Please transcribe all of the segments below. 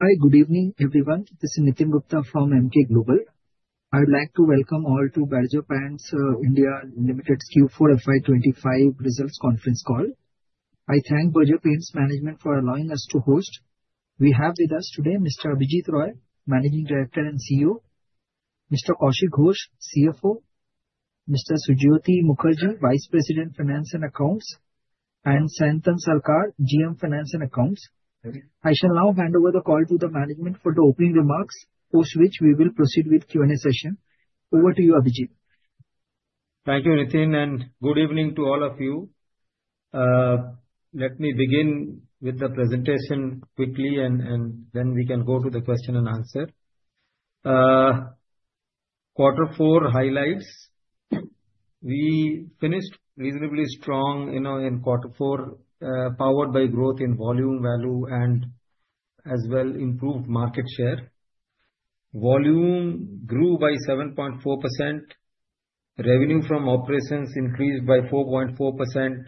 Hi, good evening, everyone. This is Nitin Gupta from Emkay Global. I'd like to welcome all to Berger Paints India Ltd's Q4 FY25 results conference call. I thank Berger Paints Management for allowing us to host. We have with us today Mr. Abhijit Roy, Managing Director and CEO, Mr. Kaushik Ghosh, CFO, Mr. Sujyoti Mukherjee, Vice President Finance and Accounts, and Senthan Salkar, GM Finance and Accounts. I shall now hand over the call to the management for the opening remarks, post which we will proceed with the Q&A session. Over to you, Abhijit. Thank you, Nitin, and good evening to all of you. Let me begin with the presentation quickly, and then we can go to the question and answer. Quarter Four highlights: we finished reasonably strong in Quarter Four, powered by growth in volume, value, and as well improved market share. Volume grew by 7.4%. Revenue from operations increased by 4.4%.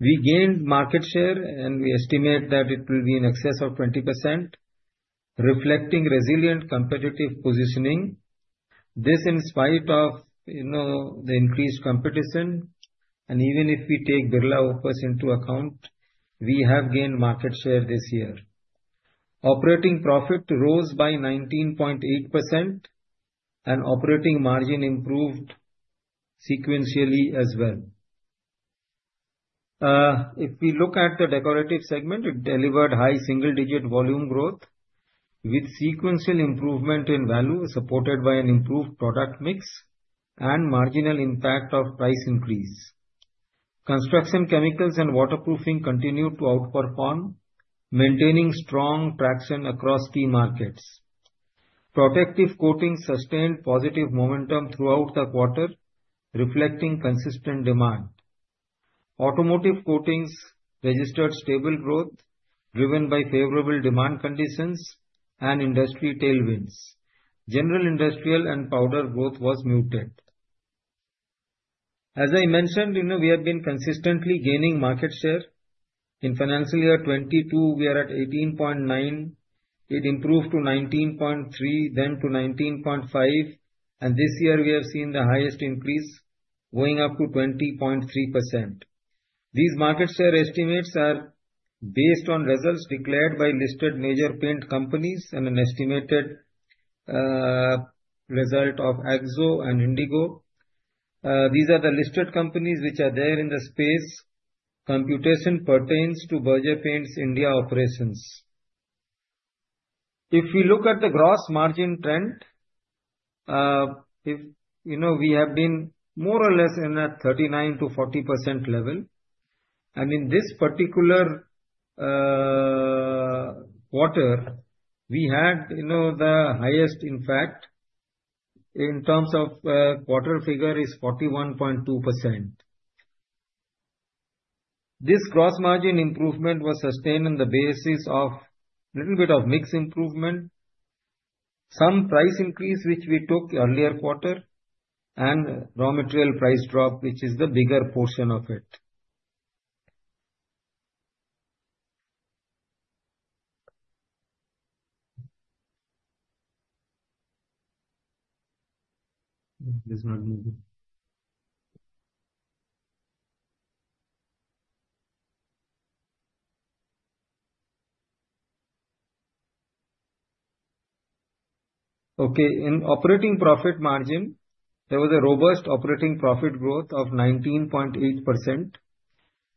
We gained market share, and we estimate that it will be in excess of 20%, reflecting resilient competitive positioning. This in spite of the increased competition, and even if we take Birla Opus into account, we have gained market share this year. Operating profit rose by 19.8%, and operating margin improved sequentially as well. If we look at the decorative segment, it delivered high single-digit volume growth, with sequential improvement in value supported by an improved product mix and marginal impact of price increase. Construction chemicals and waterproofing continued to outperform, maintaining strong traction across key markets. Protective coatings sustained positive momentum throughout the quarter, reflecting consistent demand. Automotive coatings registered stable growth, driven by favorable demand conditions and industry tailwinds. General industrial and powder growth was muted. As I mentioned, we have been consistently gaining market share. In financial year 2022, we are at 18.9. It improved to 19.3, then to 19.5, and this year we have seen the highest increase, going up to 20.3%. These market share estimates are based on results declared by listed major paint companies and an estimated result of AXO and Indigo. These are the listed companies which are there in the space. Computation pertains to Berger Paints India operations. If we look at the gross margin trend, we have been more or less in that 39%-40% level. In this particular quarter, we had the highest, in fact, in terms of quarter figure, is 41.2%. This gross margin improvement was sustained on the basis of a little bit of mix improvement, some price increase which we took earlier quarter, and raw material price drop, which is the bigger portion of it. In operating profit margin, there was a robust operating profit growth of 19.8%,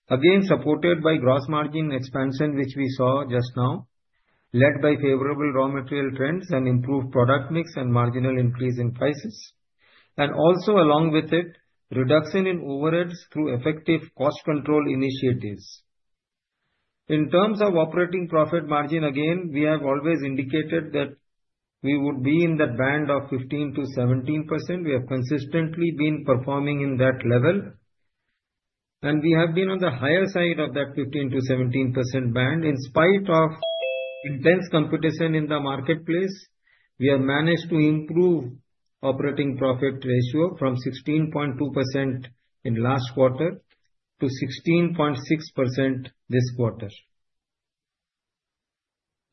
again supported by gross margin expansion which we saw just now, led by favorable raw material trends and improved product mix and marginal increase in prices. Also, along with it, reduction in overheads through effective cost control initiatives. In terms of operating profit margin, again, we have always indicated that we would be in that band of 15%-17%. We have consistently been performing in that level, and we have been on the higher side of that 15%-17% band. In spite of intense competition in the marketplace, we have managed to improve operating profit ratio from 16.2% in last quarter to 16.6% this quarter.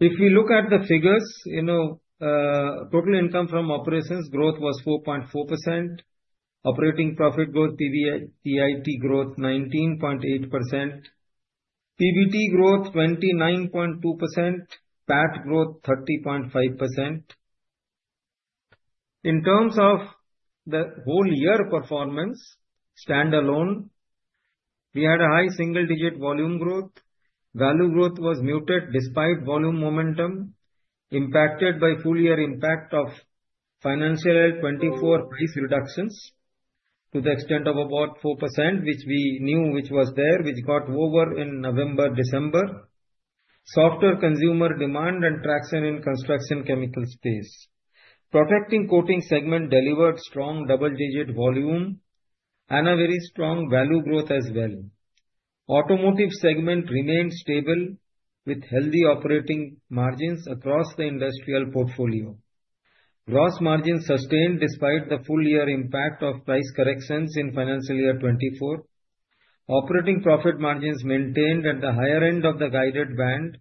If we look at the figures, total income from operations growth was 4.4%, operating profit growth, PBT growth 19.8%, PBT growth 29.2%, PAT growth 30.5%. In terms of the whole year performance, standalone, we had a high single-digit volume growth. Value growth was muted despite volume momentum, impacted by full-year impact of financial year 2024 price reductions to the extent of about 4%, which we knew which was there, which got over in November-December. Softer consumer demand and traction in construction chemical space. Protecting coating segment delivered strong double-digit volume and a very strong value growth as well. Automotive segment remained stable with healthy operating margins across the industrial portfolio. Gross margin sustained despite the full-year impact of price corrections in financial year 2024. Operating profit margins maintained at the higher end of the guided band,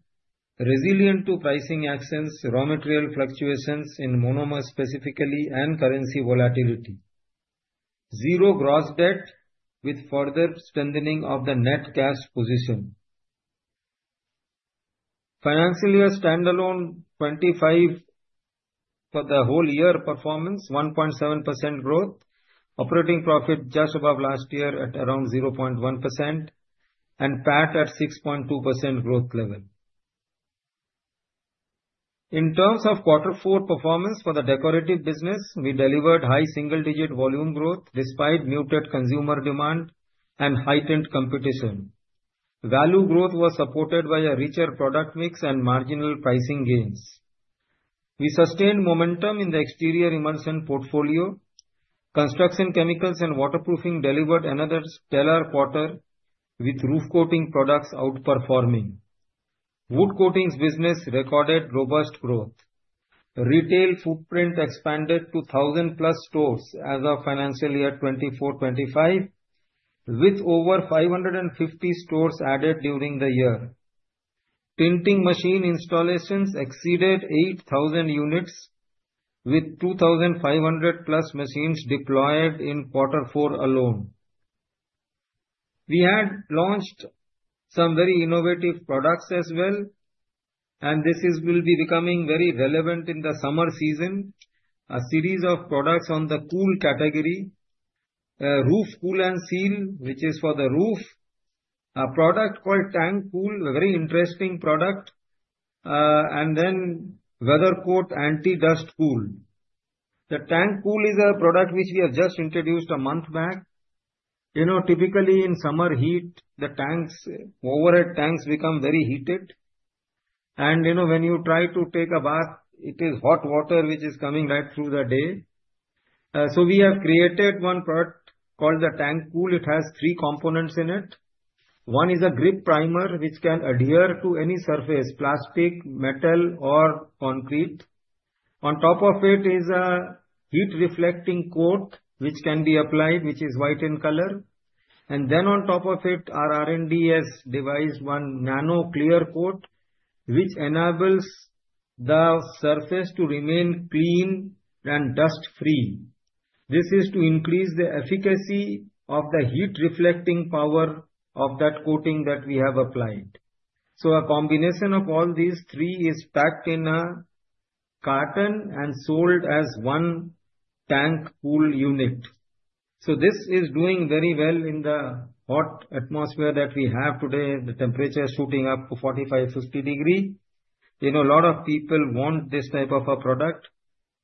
resilient to pricing actions, raw material fluctuations in monomers specifically, and currency volatility. Zero gross debt with further strengthening of the net cash position. Financial year standalone 2025 for the whole year performance, 1.7% growth, operating profit just above last year at around 0.1%, and PAT at 6.2% growth level. In terms of quarter four performance for the decorative business, we delivered high single-digit volume growth despite muted consumer demand and heightened competition. Value growth was supported by a richer product mix and marginal pricing gains. We sustained momentum in the exterior emulsion portfolio. Construction chemicals and waterproofing delivered another stellar quarter with roof coating products outperforming. Wood coatings business recorded robust growth. Retail footprint expanded to 1,000 plus stores as of financial year 2024-2025, with over 550 stores added during the year. Printing machine installations exceeded 8,000 units, with 2,500 plus machines deployed in quarter four alone. We had launched some very innovative products as well, and this will be becoming very relevant in the summer season. A series of products on the cool category, Roof Cool and Seal, which is for the roof, a product called Tank Cool, a very interesting product, and then Weather Coat Anti-Dust Cool. The Tank Cool is a product which we have just introduced a month back. Typically, in summer heat, the overhead tanks become very heated, and when you try to take a bath, it is hot water which is coming right through the day. We have created one product called the Tank Cool. It has three components in it. One is a grip primer which can adhere to any surface, plastic, metal, or concrete. On top of it is a heat reflecting coat which can be applied, which is white in color. On top of it, our R&D has devised one nano clear coat which enables the surface to remain clean and dust-free. This is to increase the efficacy of the heat reflecting power of that coating that we have applied. A combination of all these three is packed in a carton and sold as one Tank Cool unit. This is doing very well in the hot atmosphere that we have today, the temperature shooting up to 45-50 degrees. A lot of people want this type of a product,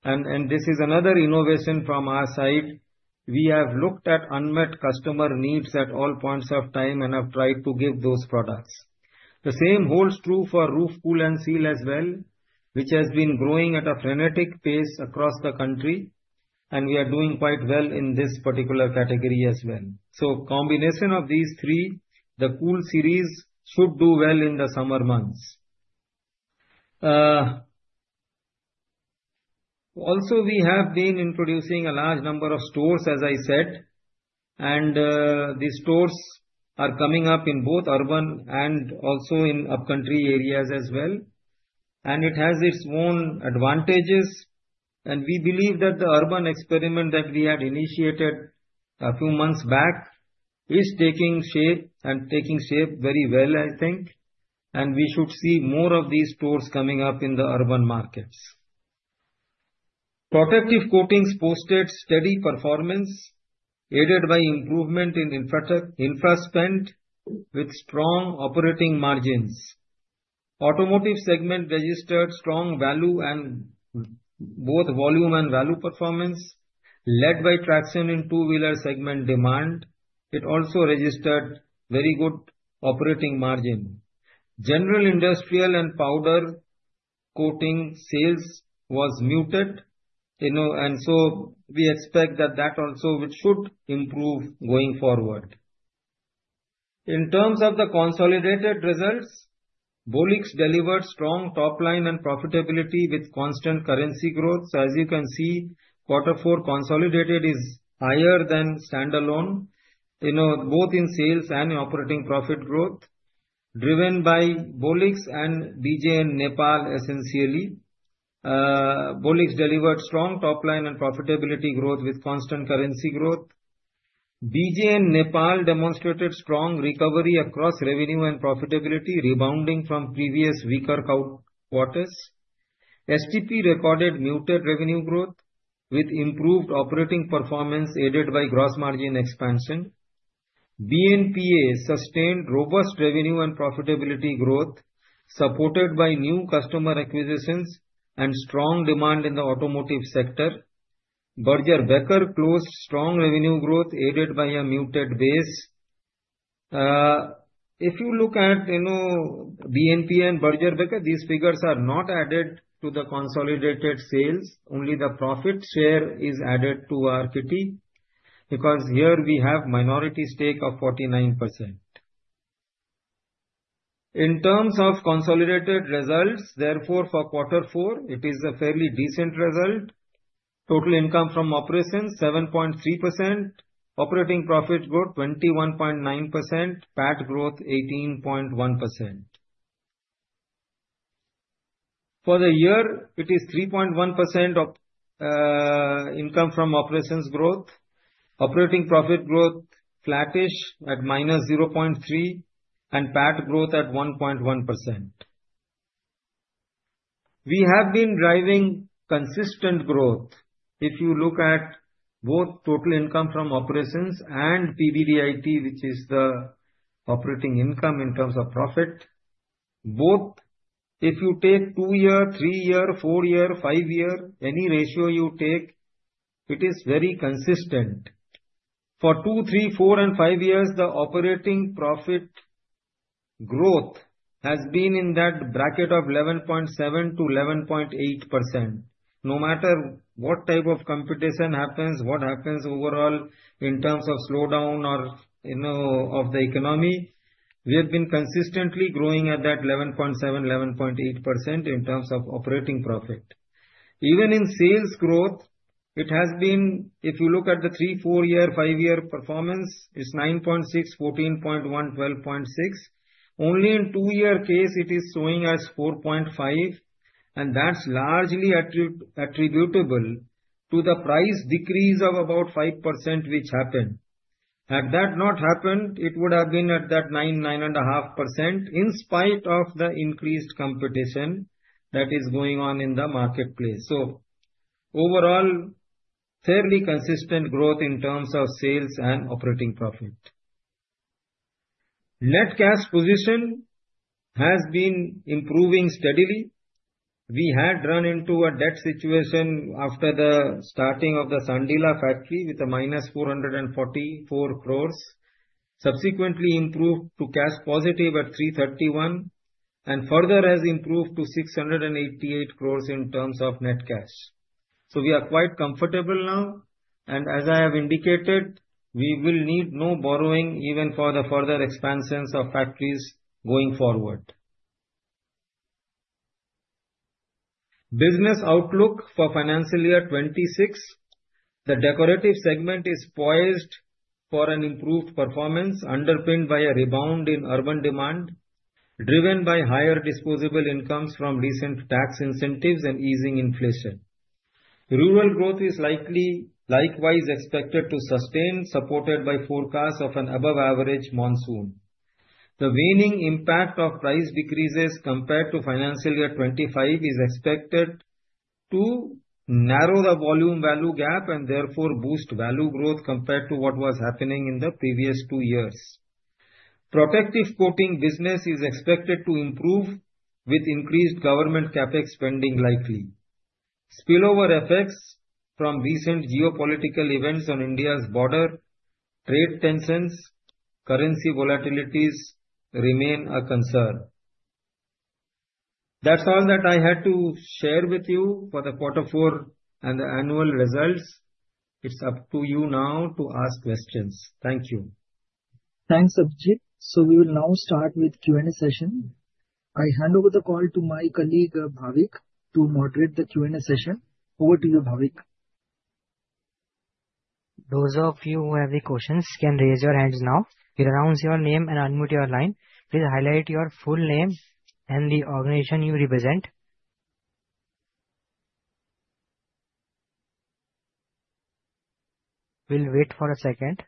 and this is another innovation from our side. We have looked at unmet customer needs at all points of time and have tried to give those products. The same holds true for Roof Cool and Seal as well, which has been growing at a frenetic pace across the country, and we are doing quite well in this particular category as well. A combination of these three, the cool series should do well in the summer months. Also, we have been introducing a large number of stores, as I said, and these stores are coming up in both urban and also in upcountry areas as well. It has its own advantages, and we believe that the urban experiment that we had initiated a few months back is taking shape and taking shape very well, I think, and we should see more of these stores coming up in the urban markets. Protective coatings posted steady performance, aided by improvement in infrastructure with strong operating margins. Automotive segment registered strong value and both volume and value performance, led by traction in two-wheeler segment demand. It also registered very good operating margin. General industrial and powder coating sales was muted, and we expect that also should improve going forward. In terms of the consolidated results, Bolix delivered strong top line and profitability with constant currency growth. As you can see, quarter four consolidated is higher than standalone, both in sales and operating profit growth, driven by Bolix and BJN Nepal essentially. Bolix delivered strong top line and profitability growth with constant currency growth. BJN Nepal demonstrated strong recovery across revenue and profitability, rebounding from previous weaker quarters. STP recorded muted revenue growth with improved operating performance, aided by gross margin expansion. BNPA sustained robust revenue and profitability growth, supported by new customer acquisitions and strong demand in the automotive sector. Berger Becker closed strong revenue growth, aided by a muted base. If you look at BNPA and Berger Becker, these figures are not added to the consolidated sales. Only the profit share is added to our kitty because here we have minority stake of 49%. In terms of consolidated results, therefore for quarter four, it is a fairly decent result. Total income from operations 7.3%, operating profit growth 21.9%, PAT growth 18.1%. For the year, it is 3.1% of income from operations growth. Operating profit growth flattish at minus 0.3% and PAT growth at 1.1%. We have been driving consistent growth. If you look at both total income from operations and PBT, which is the operating income in terms of profit, both, if you take two-year, three-year, four-year, five-year, any ratio you take, it is very consistent. For two, three, four, and five years, the operating profit growth has been in that bracket of 11.7%-11.8%. No matter what type of competition happens, what happens overall in terms of slowdown of the economy, we have been consistently growing at that 11.7%, 11.8% in terms of operating profit. Even in sales growth, it has been, if you look at the three, four-year, five-year performance, it's 9.6%, 14.1%, 12.6%. Only in two-year case, it is showing as 4.5%, and that's largely attributable to the price decrease of about 5% which happened. Had that not happened, it would have been at that 9%-9.5% in spite of the increased competition that is going on in the marketplace. Overall, fairly consistent growth in terms of sales and operating profit. Net cash position has been improving steadily. We had run into a debt situation after the starting of the Sandila factory with a minus 444 crore. Subsequently, improved to cash positive at 331 crore and further has improved to 688 crore in terms of net cash. We are quite comfortable now, and as I have indicated, we will need no borrowing even for the further expansions of factories going forward. Business outlook for financial year 2026, the decorative segment is poised for an improved performance, underpinned by a rebound in urban demand, driven by higher disposable incomes from recent tax incentives and easing inflation. Rural growth is likewise expected to sustain, supported by forecasts of an above-average monsoon. The waning impact of price decreases compared to financial year 2025 is expected to narrow the volume-value gap and therefore boost value growth compared to what was happening in the previous two years. Protective coating business is expected to improve with increased government CapEx spending likely. Spillover effects from recent geopolitical events on India's border, trade tensions, currency volatilities remain a concern. That's all that I had to share with you for the quarter four and the annual results. It's up to you now to ask questions. Thank you. Thanks, Abhijit. We will now start with Q&A session. I hand over the call to my colleague Bhavik to moderate the Q&A session. Over to you, Bhavik. Those of you who have any questions can raise your hands now. You can announce your name and unmute your line. Please highlight your full name and the organization you represent. We'll wait for a second.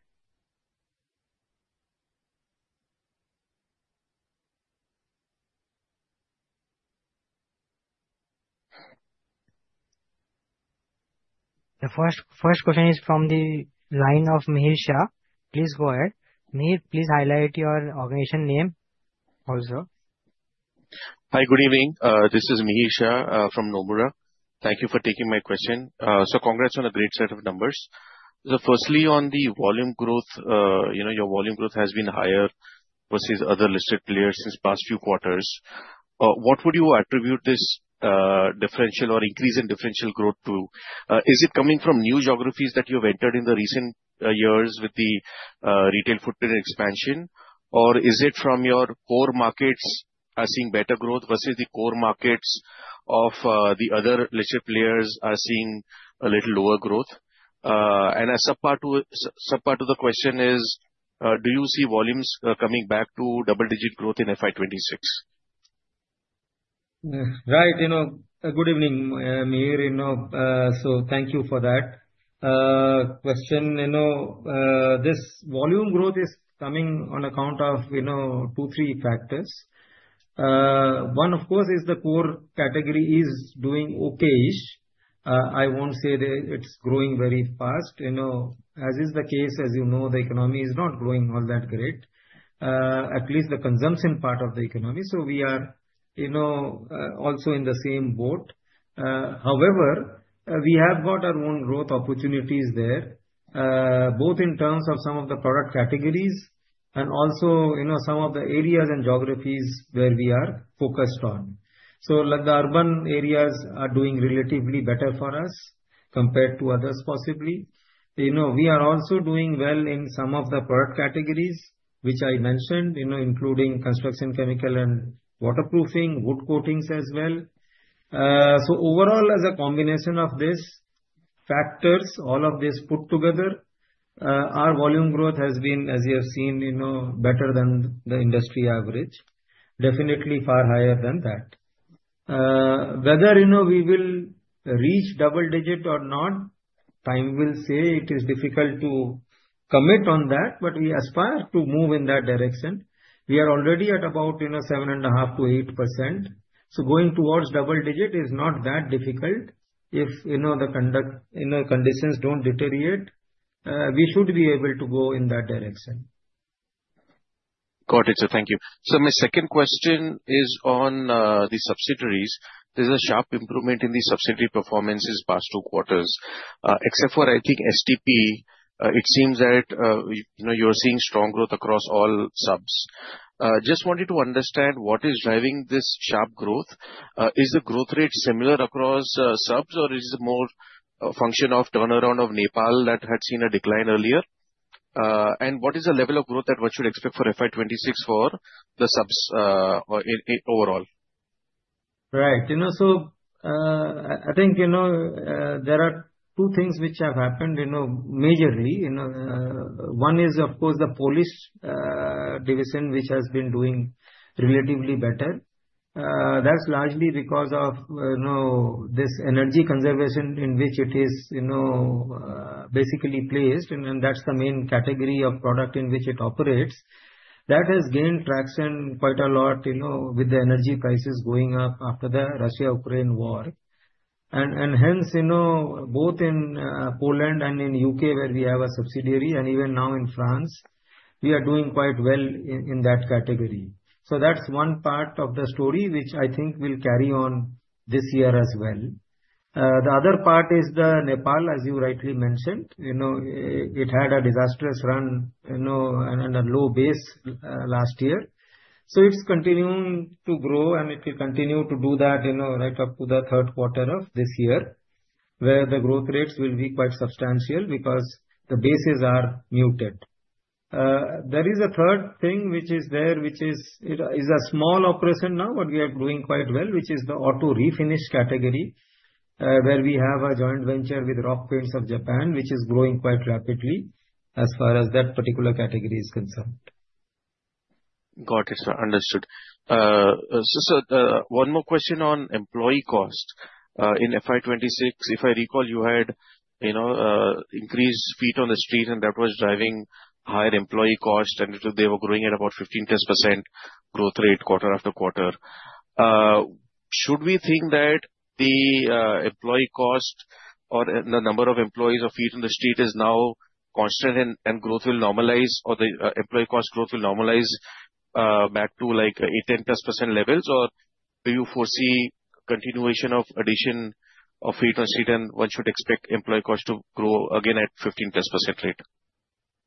The first question is from the line of Mihir Shah. Please go ahead. Mihir, please highlight your organization name also. Hi, good evening. This is Mihir Shah from Nomura. Thank you for taking my question. Congrats on a great set of numbers. Firstly, on the volume growth, your volume growth has been higher versus other listed players since past few quarters. What would you attribute this differential or increase in differential growth to? Is it coming from new geographies that you have entered in the recent years with the retail footprint expansion, or is it from your core markets are seeing better growth versus the core markets of the other listed players are seeing a little lower growth? A subpart of the question is, do you see volumes coming back to double-digit growth in FY26? Right. Good evening, Mihir. Thank you for that question. This volume growth is coming on account of two, three factors. One, of course, is the core category is doing okay-ish. I won't say it's growing very fast. As is the case, as you know, the economy is not growing all that great, at least the consumption part of the economy. We are also in the same boat. However, we have got our own growth opportunities there, both in terms of some of the product categories and also some of the areas and geographies where we are focused on. The urban areas are doing relatively better for us compared to others, possibly. We are also doing well in some of the product categories, which I mentioned, including construction chemicals and waterproofing, wood coatings as well. Overall, as a combination of these factors, all of this put together, our volume growth has been, as you have seen, better than the industry average, definitely far higher than that. Whether we will reach double-digit or not, time will say. It is difficult to commit on that, but we aspire to move in that direction. We are already at about 7.5%-8%. Going towards double-digit is not that difficult if the conditions do not deteriorate. We should be able to go in that direction. Got it. Thank you. My second question is on the subsidiaries. There is a sharp improvement in the subsidiary performance these past two quarters. Except for, I think, STP, it seems that you are seeing strong growth across all subs. Just wanted to understand what is driving this sharp growth. Is the growth rate similar across subs, or is it more a function of turnaround of Nepal that had seen a decline earlier? What is the level of growth that one should expect for FY26 for the subs overall? Right. I think there are two things which have happened majorly. One is, of course, the Polish division, which has been doing relatively better. That is largely because of this energy conservation in which it is basically placed, and that is the main category of product in which it operates. That has gained traction quite a lot with the energy prices going up after the Russia-Ukraine war. Hence, both in Poland and in the U.K., where we have a subsidiary, and even now in France, we are doing quite well in that category. That is one part of the story which I think will carry on this year as well. The other part is Nepal, as you rightly mentioned. It had a disastrous run and a low base last year. It is continuing to grow, and it will continue to do that right up to the third quarter of this year, where the growth rates will be quite substantial because the bases are muted. There is a third thing which is there, which is a small operation now, but we are doing quite well, which is the auto refinish category, where we have a joint venture with Rock Paints of Japan, which is growing quite rapidly as far as that particular category is concerned. Got it. Understood. So one more question on employee cost. In FY26, if I recall, you had increased feet on the street, and that was driving higher employee cost, and they were growing at about 15% growth rate quarter after quarter. Should we think that the employee cost or the number of employees or feet on the street is now constant and growth will normalize, or the employee cost growth will normalize back to 8%-10% levels, or do you foresee continuation of addition of feet on the street, and one should expect employee cost to grow again at 15% rate?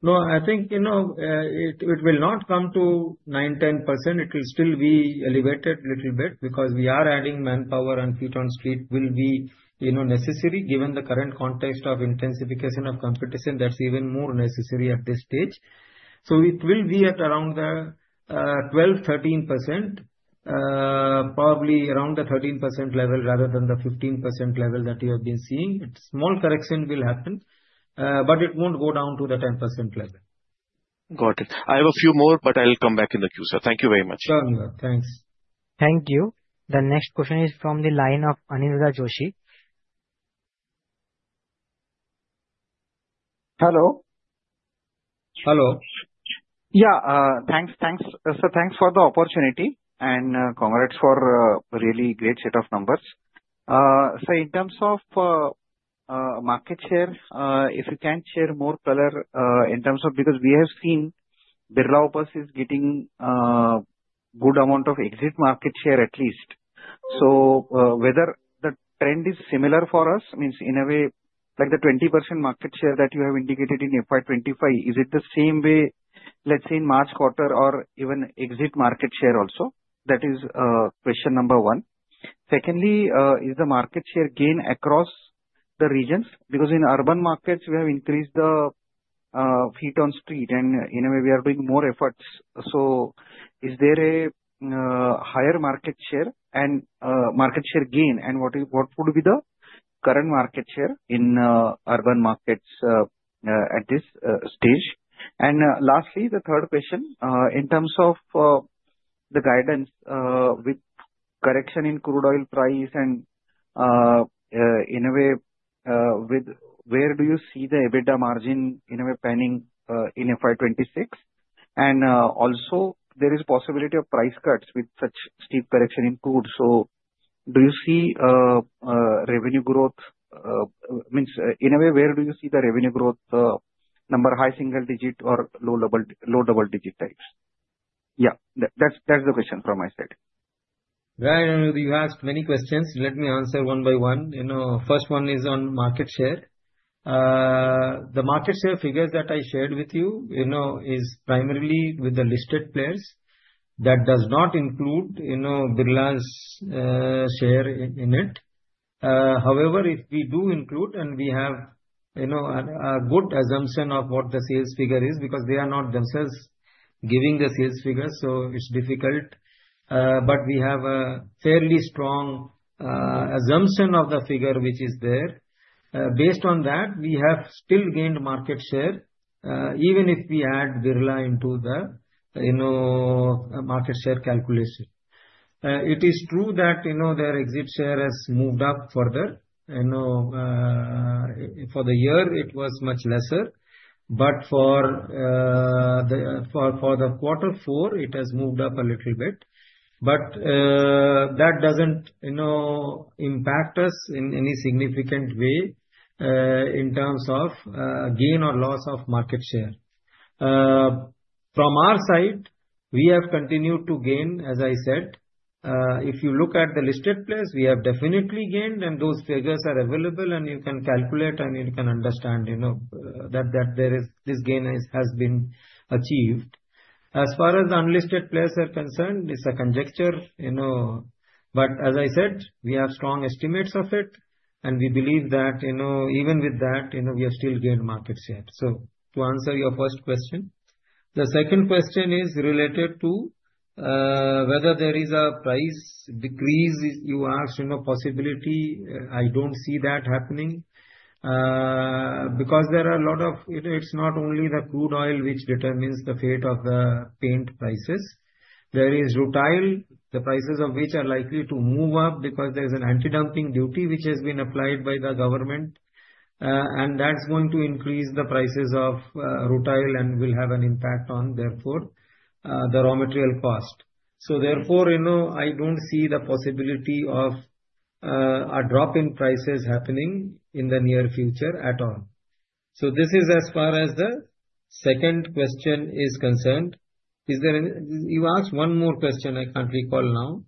No, I think it will not come to 9%-10%. It will still be elevated a little bit because we are adding manpower, and feet on the street will be necessary given the current context of intensification of competition. That is even more necessary at this stage. It will be at around the 12%, 13%, probably around the 13% level rather than the 15% level that you have been seeing. Small correction will happen, but it will not go down to the 10% level. Got it. I have a few more, but I will come back in the queue. Thank you very much. Thanks. Thank you. The next question is from the line of Anil Rajoshi. Hello. Hello. Yeah. Thanks. Thanks for the opportunity and congrats for a really great set of numbers. In terms of market share, if you can share more color in terms of because we have seen Birla Opus is getting a good amount of exit market share at least. Whether the trend is similar for us, means in a way, like the 20% market share that you have indicated in FY25, is it the same way, let's say, in March quarter or even exit market share also? That is question number one. Secondly, is the market share gain across the regions? Because in urban markets, we have increased the feet on the street, and in a way, we are doing more efforts. Is there a higher market share and market share gain, and what would be the current market share in urban markets at this stage? Lastly, the third question, in terms of the guidance with correction in crude oil price and in a way, where do you see the EBITDA margin in a way panning in FY26? Also, there is possibility of price cuts with such steep correction in crude. Do you see revenue growth? Means in a way, where do you see the revenue growth number, high single digit or low double-digit types? Yeah, that's the question from my side. Right. You asked many questions. Let me answer one by one. First one is on market share. The market share figures that I shared with you is primarily with the listed players. That does not include Birla's share in it. However, if we do include and we have a good assumption of what the sales figure is, because they are not themselves giving the sales figures, so it's difficult, but we have a fairly strong assumption of the figure which is there. Based on that, we have still gained market share, even if we add Birla into the market share calculation. It is true that their exit share has moved up further. For the year, it was much lesser, but for quarter four, it has moved up a little bit. That does not impact us in any significant way in terms of gain or loss of market share. From our side, we have continued to gain, as I said. If you look at the listed players, we have definitely gained, and those figures are available, and you can calculate and you can understand that this gain has been achieved. As far as the unlisted players are concerned, it is a conjecture. As I said, we have strong estimates of it, and we believe that even with that, we have still gained market share. To answer your first question, the second question is related to whether there is a price decrease. You asked possibility. I don't see that happening because there are a lot of, it's not only the crude oil which determines the fate of the paint prices. There is rutile, the prices of which are likely to move up because there's an anti-dumping duty which has been applied by the government, and that's going to increase the prices of rutile and will have an impact on, therefore, the raw material cost. Therefore, I don't see the possibility of a drop in prices happening in the near future at all. This is as far as the second question is concerned. You asked one more question. I can't recall now.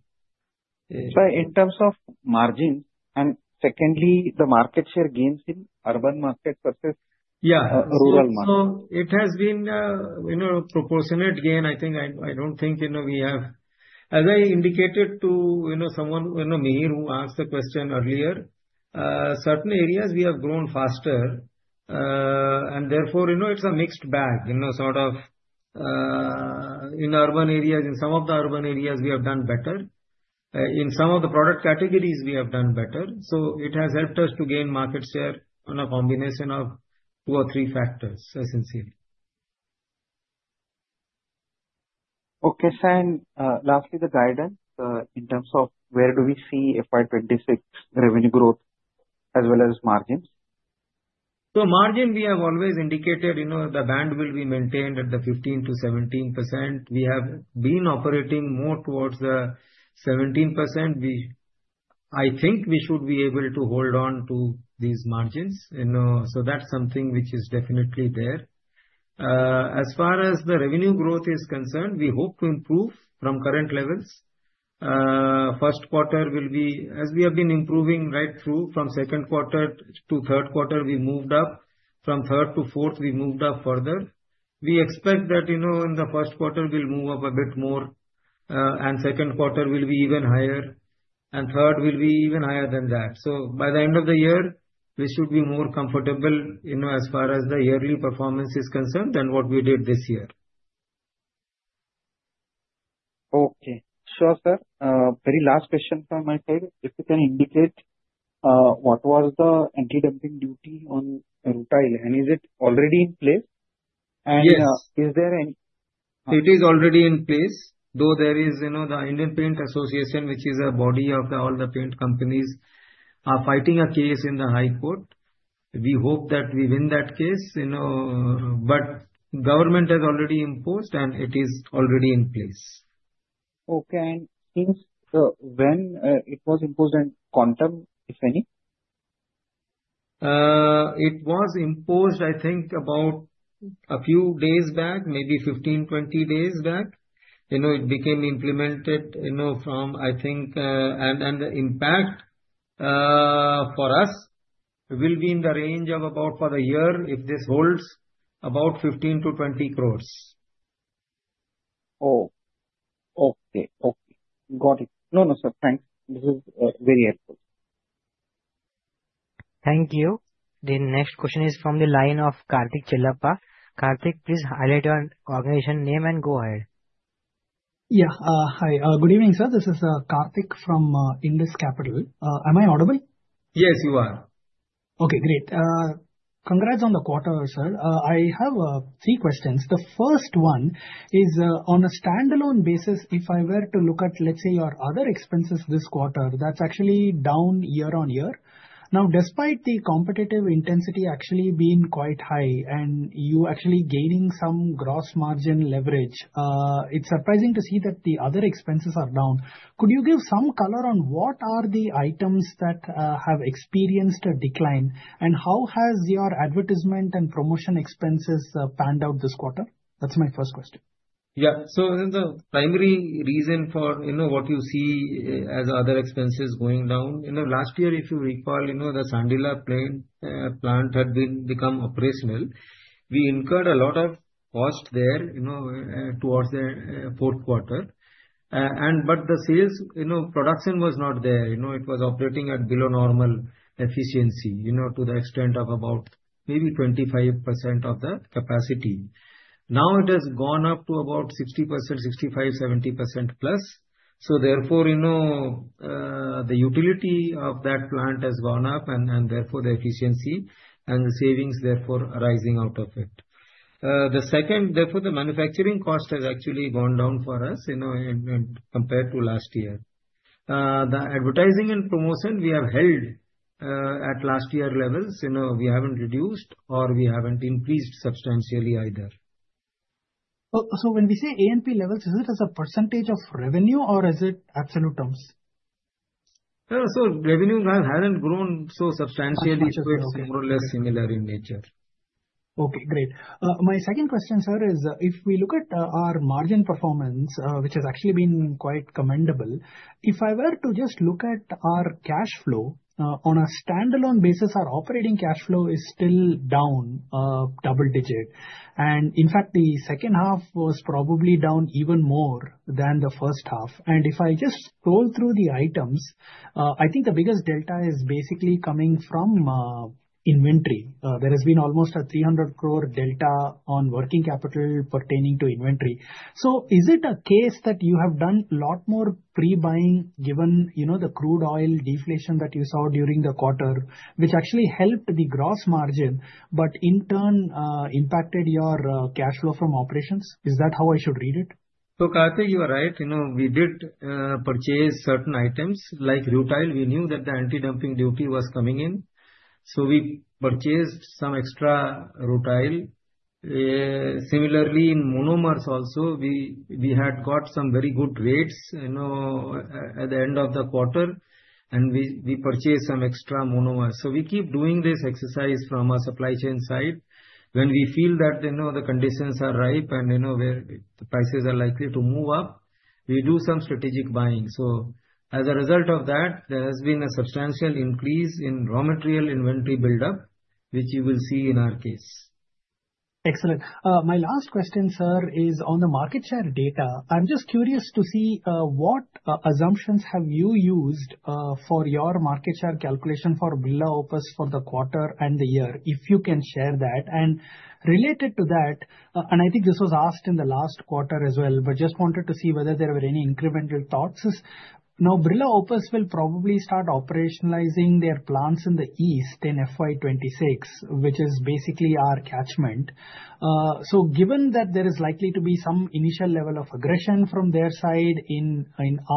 In terms of margin and secondly, the market share gains in urban market versus rural market? Yeah. It has been a proportionate gain. I think I don't think we have, as I indicated to someone, Mihir, who asked the question earlier, certain areas we have grown faster, and therefore, it's a mixed bag, sort of. In urban areas, in some of the urban areas, we have done better. In some of the product categories, we have done better. It has helped us to gain market share on a combination of two or three factors, essentially. Okay. Lastly, the guidance in terms of where do we see FY 2026 revenue growth as well as margins? Margin, we have always indicated the band will be maintained at the 15%-17%. We have been operating more towards the 17%. I think we should be able to hold on to these margins. That is something which is definitely there. As far as the revenue growth is concerned, we hope to improve from current levels. First quarter will be, as we have been improving right through from second quarter to third quarter, we moved up. From third to fourth, we moved up further. We expect that in the first quarter, we'll move up a bit more, and second quarter will be even higher, and third will be even higher than that. By the end of the year, we should be more comfortable as far as the yearly performance is concerned than what we did this year. Okay. Sure, sir. Very last question from my side. If you can indicate what was the anti-dumping duty on rutile, and is it already in place? And is there any? It is already in place, though there is the Indian Paint Association, which is a body of all the paint companies, fighting a case in the high court. We hope that we win that case, but government has already imposed, and it is already in place. Okay. And since when it was imposed and quantum, if any? It was imposed, I think, about a few days back, maybe 15-20 days back. It became implemented from, I think, and the impact for us will be in the range of about for the year, if this holds, about 15 crore-20 crore. Oh. Okay. Okay. Got it. No, no, sir. Thanks. This is very helpful. Thank you. The next question is from the line of Karthik Chellappa. Karthik, please highlight your organization name and go ahead. Yeah. Hi. Good evening, sir. This is Karthik from Indus Capital. Am I audible? Yes, you are. Okay. Great. Congrats on the quarter, sir. I have three questions. The first one is, on a standalone basis, if I were to look at, let's say, your other expenses this quarter, that's actually down year on year. Now, despite the competitive intensity actually being quite high and you actually gaining some gross margin leverage, it's surprising to see that the other expenses are down. Could you give some color on what are the items that have experienced a decline, and how has your advertisement and promotion expenses panned out this quarter? That's my first question. Yeah. So the primary reason for what you see as other expenses going down, last year, if you recall, the Sandila plant had become operational. We incurred a lot of cost there towards the fourth quarter. But the sales production was not there. It was operating at below normal efficiency to the extent of about maybe 25% of the capacity. Now it has gone up to about 60%, 65%, 70% plus. Therefore, the utility of that plant has gone up, and therefore, the efficiency and the savings, therefore, arising out of it. The second, therefore, the manufacturing cost has actually gone down for us compared to last year. The advertising and promotion we have held at last year levels, we have not reduced or we have not increased substantially either. When we say A&P levels, is it as a percentage of revenue, or is it absolute terms? Revenue has not grown so substantially, so it is more or less similar in nature. Okay. Great. My second question, sir, is if we look at our margin performance, which has actually been quite commendable, if I were to just look at our cash flow, on a standalone basis, our operating cash flow is still down double digit. In fact, the second half was probably down even more than the first half. If I just scroll through the items, I think the biggest delta is basically coming from inventory. There has been almost an 3.00 billion delta on working capital pertaining to inventory. Is it a case that you have done a lot more pre-buying given the crude oil deflation that you saw during the quarter, which actually helped the gross margin, but in turn, impacted your cash flow from operations? Is that how I should read it? Karthik, you are right. We did purchase certain items like rutile. We knew that the anti-dumping duty was coming in. We purchased some extra rutile. Similarly, in monomers also, we had got some very good rates at the end of the quarter, and we purchased some extra monomers. We keep doing this exercise from our supply chain side. When we feel that the conditions are ripe and the prices are likely to move up, we do some strategic buying. As a result of that, there has been a substantial increase in raw material inventory buildup, which you will see in our case. Excellent. My last question, sir, is on the market share data. I'm just curious to see what assumptions have you used for your market share calculation for Birla Opus for the quarter and the year, if you can share that. Related to that, and I think this was asked in the last quarter as well, just wanted to see whether there were any incremental thoughts. Now, Birla Opus will probably start operationalizing their plants in the east in FY26, which is basically our catchment. Given that there is likely to be some initial level of aggression from their side in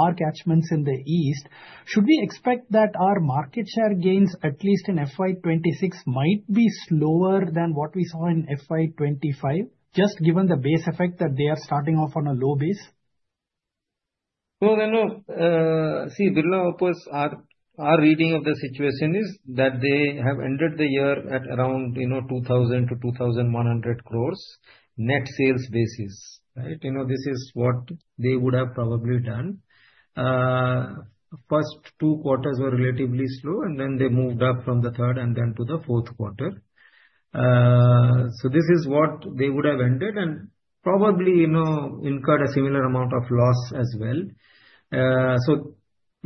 our catchments in the east, should we expect that our market share gains, at least in FY26, might be slower than what we saw in FY25, just given the base effect that they are starting off on a low base? See, Birla Opus, our reading of the situation is that they have ended the year at around 2,000-2,100 crore net sales basis. This is what they would have probably done. First two quarters were relatively slow, and then they moved up from the third and then to the fourth quarter. This is what they would have ended and probably incurred a similar amount of loss as well. A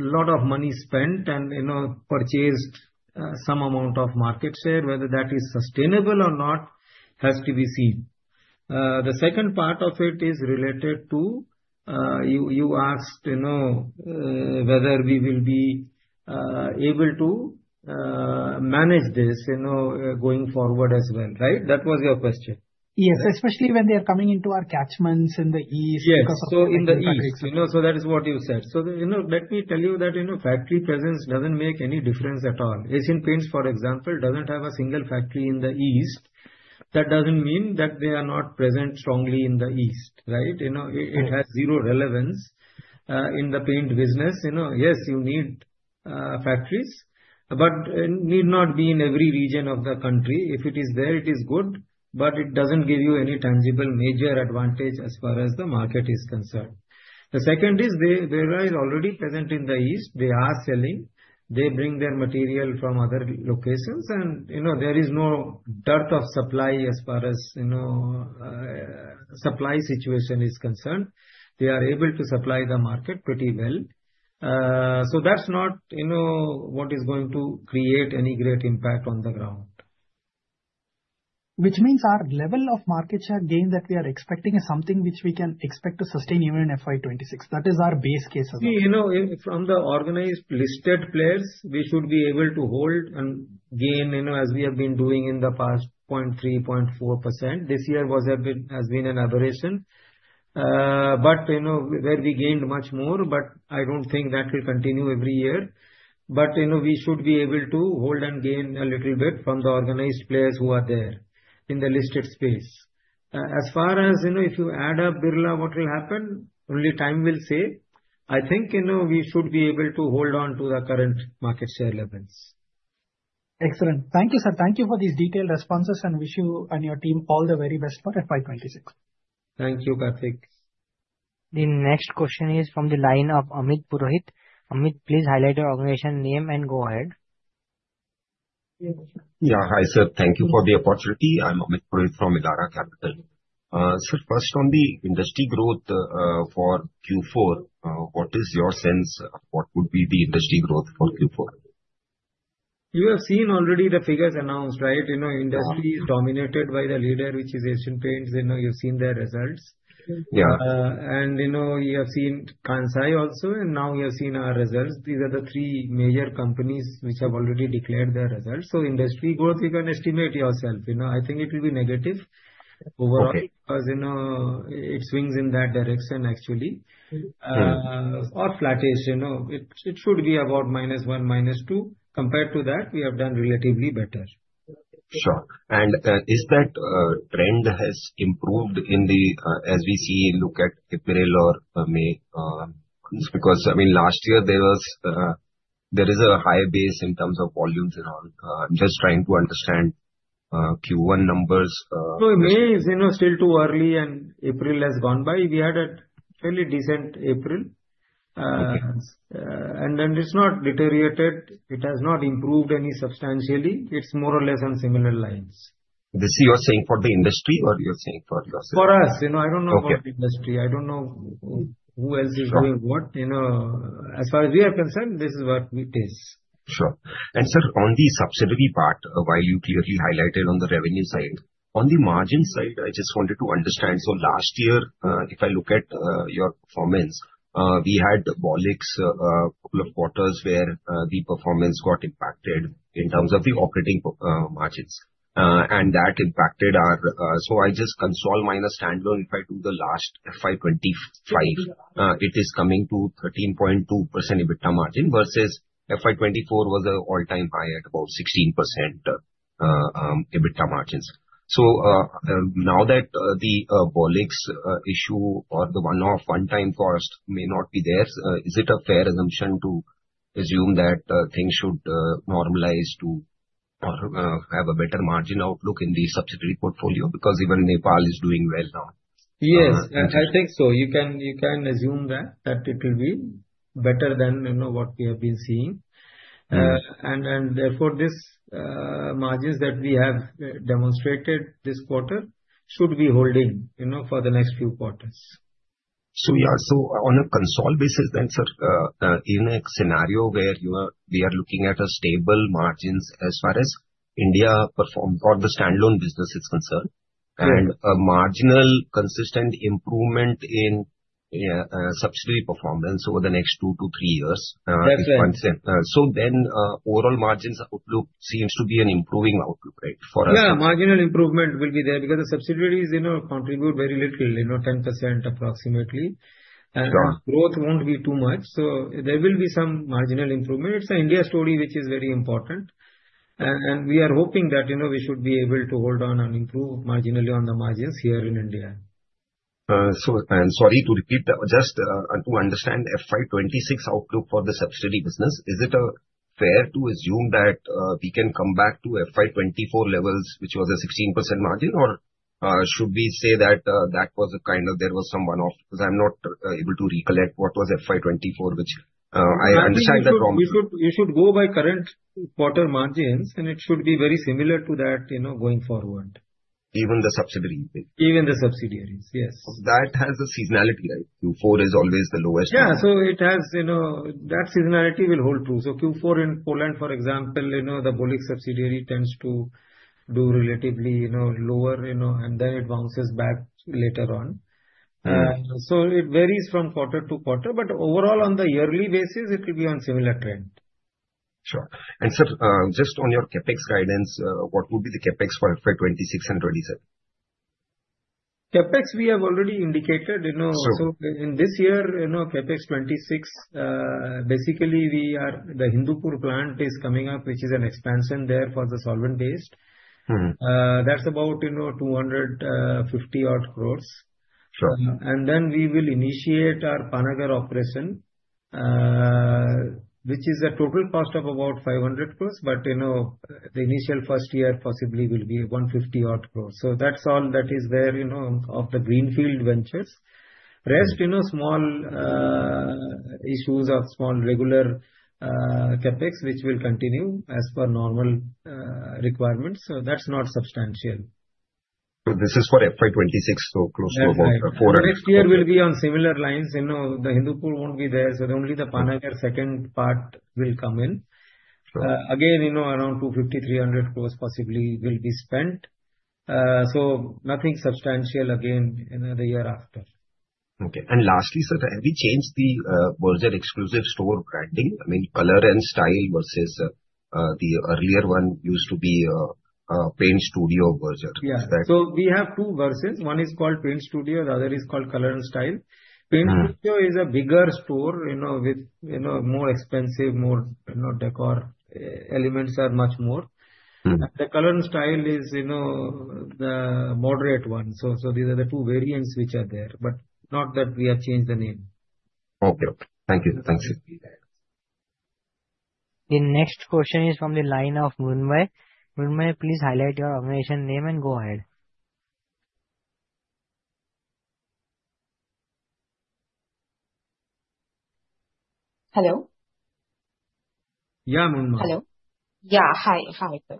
lot of money spent and purchased some amount of market share. Whether that is sustainable or not has to be seen. The second part of it is related to you asked whether we will be able to manage this going forward as well. Right? That was your question. Yes, especially when they are coming into our catchments in the east because of the market share. Yes. In the east. That is what you said. Let me tell you that factory presence does not make any difference at all. Asian Paints, for example, does not have a single factory in the east. That does not mean that they are not present strongly in the east. Right? It has zero relevance in the paint business. Yes, you need factories, but they need not be in every region of the country. If it is there, it is good, but it does not give you any tangible major advantage as far as the market is concerned. The second is Birla is already present in the east. They are selling. They bring their material from other locations, and there is no dearth of supply as far as supply situation is concerned. They are able to supply the market pretty well. That is not what is going to create any great impact on the ground. Which means our level of market share gain that we are expecting is something which we can expect to sustain even in 2026. That is our base case. Well. See, from the organized listed players, we should be able to hold and gain as we have been doing in the past 0.3-0.4%. This year has been an aberration, where we gained much more, but I do not think that will continue every year. We should be able to hold and gain a little bit from the organized players who are there in the listed space. As far as if you add up Birla, what will happen? Only time will say. I think we should be able to hold on to the current market share levels. Excellent. Thank you, sir. Thank you for these detailed responses, and wish you and your team all the very best for FY26. Thank you, Karthik. The next question is from the line of Amit Purohit. Amit, please highlight your organization name and go ahead. Yeah. Hi, sir. Thank you for the opportunity. I'm Amit Purohit from Elara Capital. Sir, first on the industry growth for Q4, what is your sense of what would be the industry growth for Q4? You have seen already the figures announced, right? Industry is dominated by the leader, which is Asian Paints. You've seen their results. Yeah. You have seen Kansai also, and now you have seen our results. These are the three major companies which have already declared their results. Industry growth, you can estimate yourself. I think it will be negative overall because it swings in that direction, actually, or flattish. It should be about minus one, minus two. Compared to that, we have done relatively better. Sure. Is that trend has improved as we look at April or May? I mean, last year, there is a high base in terms of volumes and all. I'm just trying to understand Q1 numbers. May is still too early, and April has gone by. We had a fairly decent April. It has not deteriorated. It has not improved any substantially. It's more or less on similar lines. This is you're saying for the industry or you're saying for yourself? For us. I don't know for the industry. I don't know who else is doing what. As far as we are concerned, this is what it is. Sure. Sir, on the subsidiary part, while you clearly highlighted on the revenue side, on the margin side, I just wanted to understand. Last year, if I look at your performance, we had Bolix couple of quarters where the performance got impacted in terms of the operating margins. That impacted our, so I just consolidate my standalone. If I do the last FY25, it is coming to 13.2% EBITDA margin versus FY24 was an all-time high at about 16% EBITDA margins. Now that the Bolix issue or the one-off one-time cost may not be there, is it a fair assumption to assume that things should normalize to have a better margin outlook in the subsidiary portfolio because even Nepal is doing well now? Yes. I think so. You can assume that it will be better than what we have been seeing. Therefore, these margins that we have demonstrated this quarter should be holding for the next few quarters. Yeah. On a consolidated basis then, sir, in a scenario where we are looking at stable margins as far as India performs or the standalone business is concerned, and a marginal consistent improvement in subsidiary performance over the next two to three years, then overall margins outlook seems to be an improving outlook, right, for us? Yeah. Marginal improvement will be there because the subsidiaries contribute very little, 10% approximately. Growth won't be too much. There will be some marginal improvement. It's an India story which is very important. We are hoping that we should be able to hold on and improve marginally on the margins here in India. I'm sorry to repeat, just to understand FY26 outlook for the subsidiary business, is it fair to assume that we can come back to FY24 levels, which was a 16% margin, or should we say that that was a kind of, there was some one-off? I'm not able to recollect what was FY24, which I understand. You should go by current quarter margins, and it should be very similar to that going forward. Even the subsidiaries? Even the subsidiaries, yes. That has a seasonality, right? Q4 is always the lowest. Yeah. That seasonality will hold true. Q4 in Poland, for example, the Bolix subsidiary tends to do relatively lower, and then it bounces back later on. It varies from quarter to quarter, but overall, on the yearly basis, it will be on a similar trend. Sure. Sir, just on your CapEx guidance, what would be the CapEx for FY 2026 and FY 2027? CapEx, we have already indicated. In this year, CapEx 2026, basically, the Hindupur plant is coming up, which is an expansion there for the solvent base. That is about 250 crore. Then we will initiate our Panagar operation, which is a total cost of about 500 crore, but the initial first year possibly will be 150 crore. That is all that is there of the greenfield ventures. The rest, small issues of small regular CapEx, will continue as per normal requirements. That is not substantial. This is for FY26, so close to about 400 crore? Next year will be on similar lines. The Hindupur will not be there, so only the Panagar second part will come in. Again, around 250-300 crore possibly will be spent. Nothing substantial again the year after. Okay. Lastly, sir, have you changed the Berger exclusive store branding? I mean, Color and Style versus the earlier one used to be Paint Studio Berger. Yeah. We have two versions. One is called Paint Studio. The other is called Color and Style. Paint Studio is a bigger store with more expensive, more decor elements are much more. The Color and Style is the moderate one. These are the two variants which are there, but not that we have changed the name. Okay. Thank you. Thanks. The next question is from the line of Mirunmay. Mirunmay, please highlight your organization name and go ahead. Hello? Yeah, Mirunmay. Hello. Yeah. Hi. Hi, sir.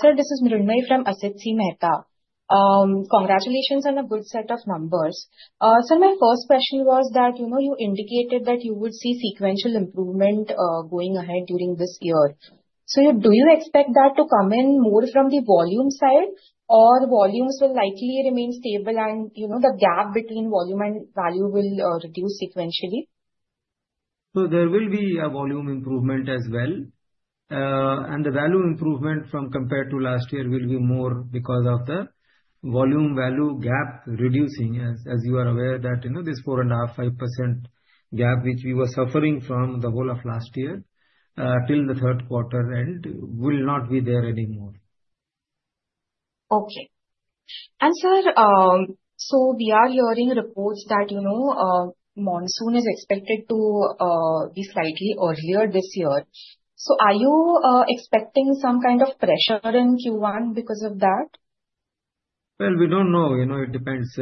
Sir, this is Mirunmay from Asit Mehta. Congratulations on a good set of numbers. Sir, my first question was that you indicated that you would see sequential improvement going ahead during this year. Do you expect that to come in more from the volume side, or volumes will likely remain stable and the gap between volume and value will reduce sequentially? There will be a volume improvement as well. The value improvement from compared to last year will be more because of the volume-value gap reducing, as you are aware that this 4.5% gap, which we were suffering from the whole of last year till the third quarter end, will not be there anymore. Okay. Sir, we are hearing reports that monsoon is expected to be slightly earlier this year. Are you expecting some kind of pressure in Q1 because of that? We do not know. It depends.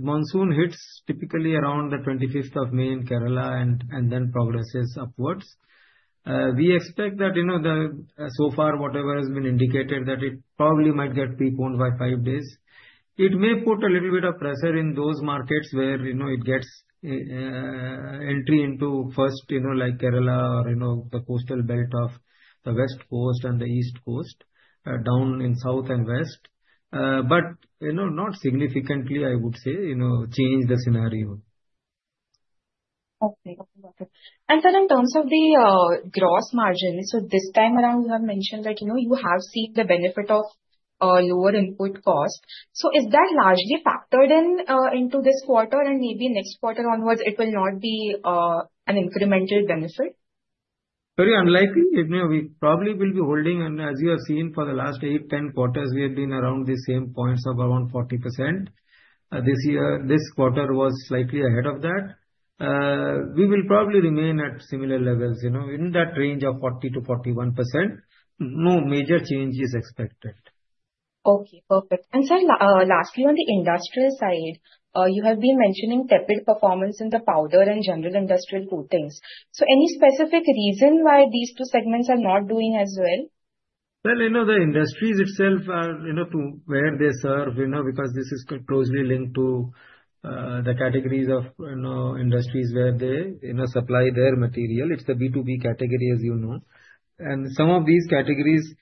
Monsoon hits typically around the 25th of May in Kerala and then progresses upwards. We expect that so far, whatever has been indicated, it probably might get preponed by five days. It may put a little bit of pressure in those markets where it gets entry into first, like Kerala or the coastal belt of the West Coast and the East Coast, down in south and west, but not significantly, I would say, change the scenario. Okay. Okay. Okay. Sir, in terms of the gross margin, this time around, you have mentioned that you have seen the benefit of lower input cost. Is that largely factored into this quarter and maybe next quarter onwards, it will not be an incremental benefit? Very unlikely. We probably will be holding. As you have seen, for the last eight, ten quarters, we have been around the same points of around 40%. This quarter was slightly ahead of that. We will probably remain at similar levels in that range of 40-41%. No major change is expected. Okay. Perfect. Sir, lastly, on the industrial side, you have been mentioning tepid performance in the powder and general industrial coatings. Any specific reason why these two segments are not doing as well? The industries itself are to where they serve because this is closely linked to the categories of industries where they supply their material. It is the B2B category, as you know. Some of these categories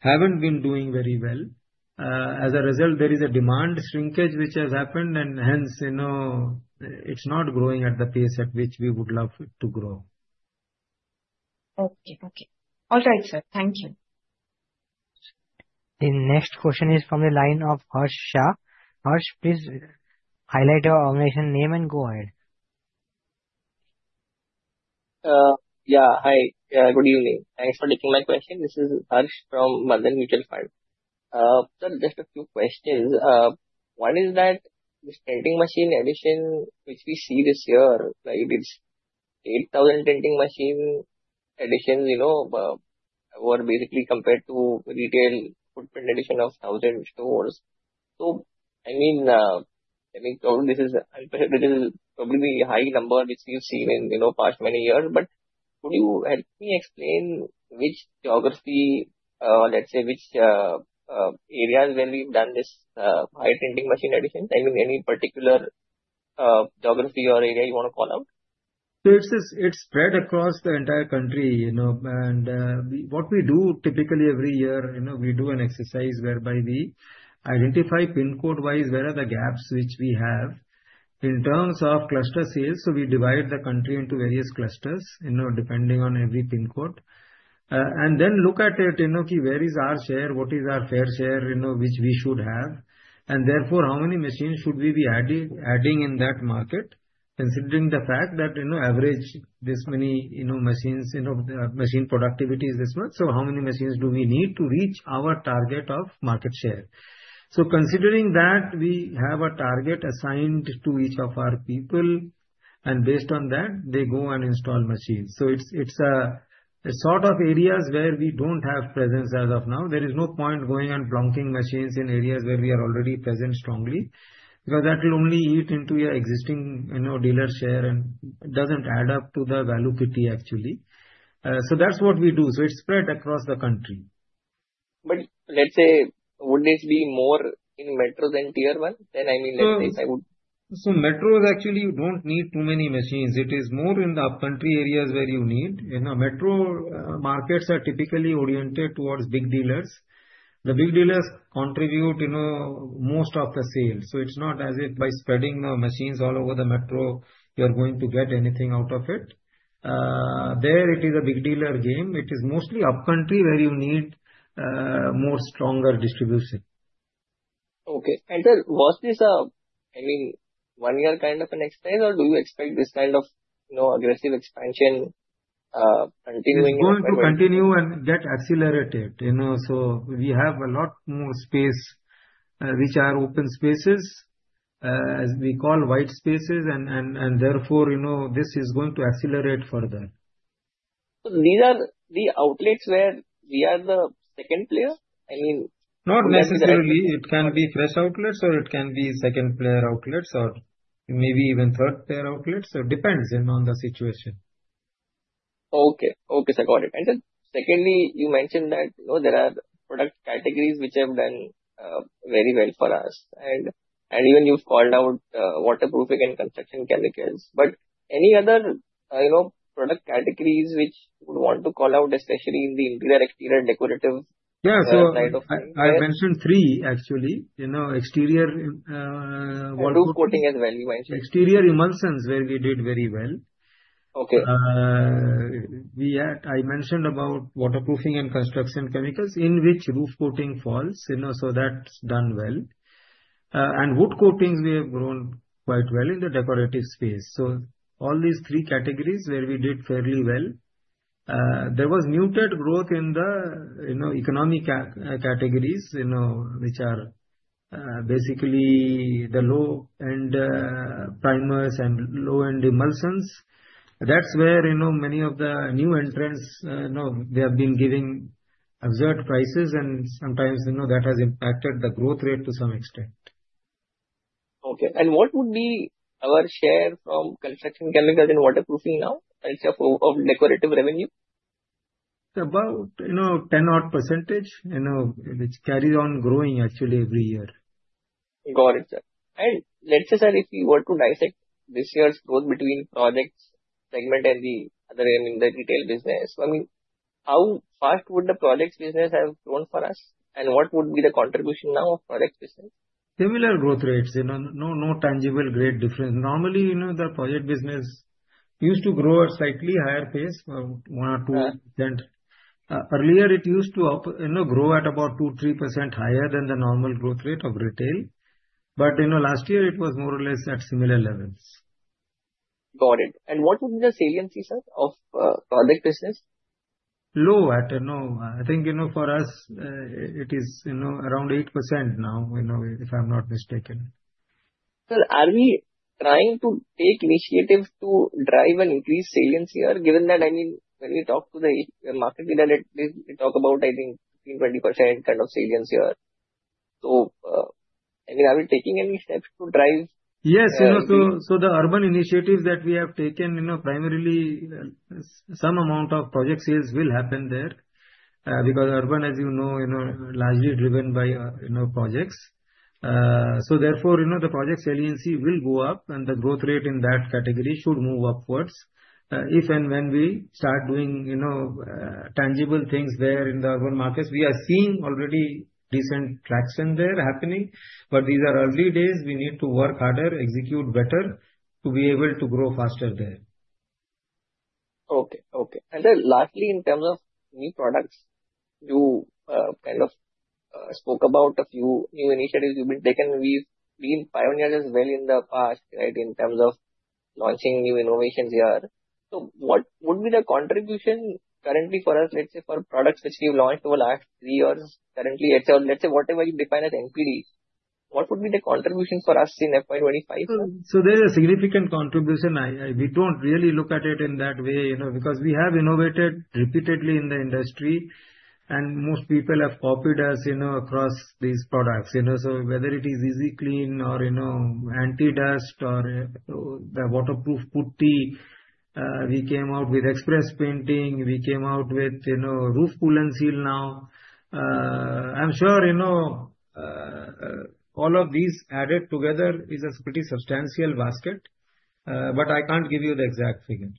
have not been doing very well. As a result, there is a demand shrinkage, which has happened, and hence, it's not growing at the pace at which we would love it to grow. Okay. Okay. All right, sir. Thank you. The next question is from the line of Harsh Shah. Harsh, please highlight your organization name and go ahead. Yeah. Hi. Good evening. Thanks for taking my question. This is Harsh from Marzban Mutual Fund. Sir, just a few questions. One is that this printing machine edition, which we see this year, it's 8,000 printing machine editions were basically compared to retail footprint edition of 1,000 stores. I mean, this is probably the high number which we've seen in the past many years. Could you help me explain which geography, let's say, which areas where we've done this high printing machine editions? I mean, any particular geography or area you want to call out? It is spread across the entire country. What we do typically every year, we do an exercise whereby we identify pin code-wise where are the gaps which we have in terms of cluster sales. We divide the country into various clusters depending on every pin code. Then look at it, where is our share, what is our fair share which we should have, and therefore, how many machines should we be adding in that market, considering the fact that average this many machines, machine productivity is this much. How many machines do we need to reach our target of market share? Considering that, we have a target assigned to each of our people, and based on that, they go and install machines. It's a sort of areas where we don't have presence as of now. There is no point going and plonking machines in areas where we are already present strongly because that will only eat into your existing dealer share and doesn't add up to the value kitty, actually. That's what we do. It's spread across the country. Let's say, would this be more in metro than tier one? I mean. Let's say if I would. Metro is actually you don't need too many machines. It is more in the upcountry areas where you need. Metro markets are typically oriented towards big dealers. The big dealers contribute most of the sale. It's not as if by spreading the machines all over the metro, you're going to get anything out of it. There it is a big dealer game. It is mostly upcountry where you need more stronger distribution. Okay. And sir, was this a, I mean, one-year kind of an exercise, or do you expect this kind of aggressive expansion continuing? It will continue and get accelerated. We have a lot more space, which are open spaces, as we call white spaces, and therefore, this is going to accelerate further. These are the outlets where we are the second player? I mean. Not necessarily. It can be fresh outlets, or it can be second-player outlets, or maybe even third-player outlets. It depends on the situation. Okay. Okay. Got it. And then secondly, you mentioned that there are product categories which have done very well for us. And even you have called out waterproofing and construction chemicals. But any other product categories which you would want to call out, especially in the interior-exterior decorative side of things? Yeah. So I mentioned three, actually. Exterior waterproofing. Roof coating as well, you mentioned. Exterior emulsions where we did very well. I mentioned about waterproofing and construction chemicals in which roof coating falls. So that's done well. And wood coatings, we have grown quite well in the decorative space. So all these three categories where we did fairly well. There was muted growth in the economic categories, which are basically the low-end primers and low-end emulsions. That's where many of the new entrants, they have been giving absurd prices, and sometimes that has impacted the growth rate to some extent. Okay. And what would be our share from construction chemicals in waterproofing now in terms of decorative revenue? About 10% odd, which carries on growing, actually, every year. Got it, sir. Let's say, sir, if you were to dissect this year's growth between projects segment and the other, I mean, the retail business, I mean, how fast would the projects business have grown for us? What would be the contribution now of projects business? Similar growth rates. No tangible great difference. Normally, the project business used to grow at slightly higher pace, 1% or 2%. Earlier, it used to grow at about 2%-3% higher than the normal growth rate of retail. Last year, it was more or less at similar levels. Got it. What would be the saliency, sir, of project business? Low at. I think for us, it is around 8% now, if I'm not mistaken. Sir, are we trying to take initiatives to drive an increased saliency? Or given that, I mean, when we talk to the market leader, they talk about, I think, 15%-20% kind of saliency. I mean, are we taking any steps to drive? Yes. The urban initiatives that we have taken, primarily, some amount of project sales will happen there because urban, as you know, largely driven by projects. Therefore, the project saliency will go up, and the growth rate in that category should move upwards if and when we start doing tangible things there in the urban markets. We are seeing already decent traction there happening. These are early days. We need to work harder, execute better to be able to grow faster there. Okay. Okay. And sir, lastly, in terms of new products, you kind of spoke about a few new initiatives you've been taking. We've been pioneers as well in the past, right, in terms of launching new innovations here. What would be the contribution currently for us, let's say, for products which we've launched over the last three years? Currently, let's say, whatever you define as NPDs, what would be the contribution for us in FY25? There is a significant contribution. We don't really look at it in that way because we have innovated repeatedly in the industry, and most people have copied us across these products. Whether it is Easy Clean or Anti-Dust or the waterproof putti, we came out with Express Painting. We came out with Roof Cool and Seal now. I'm sure all of these added together is a pretty substantial basket, but I can't give you the exact figure.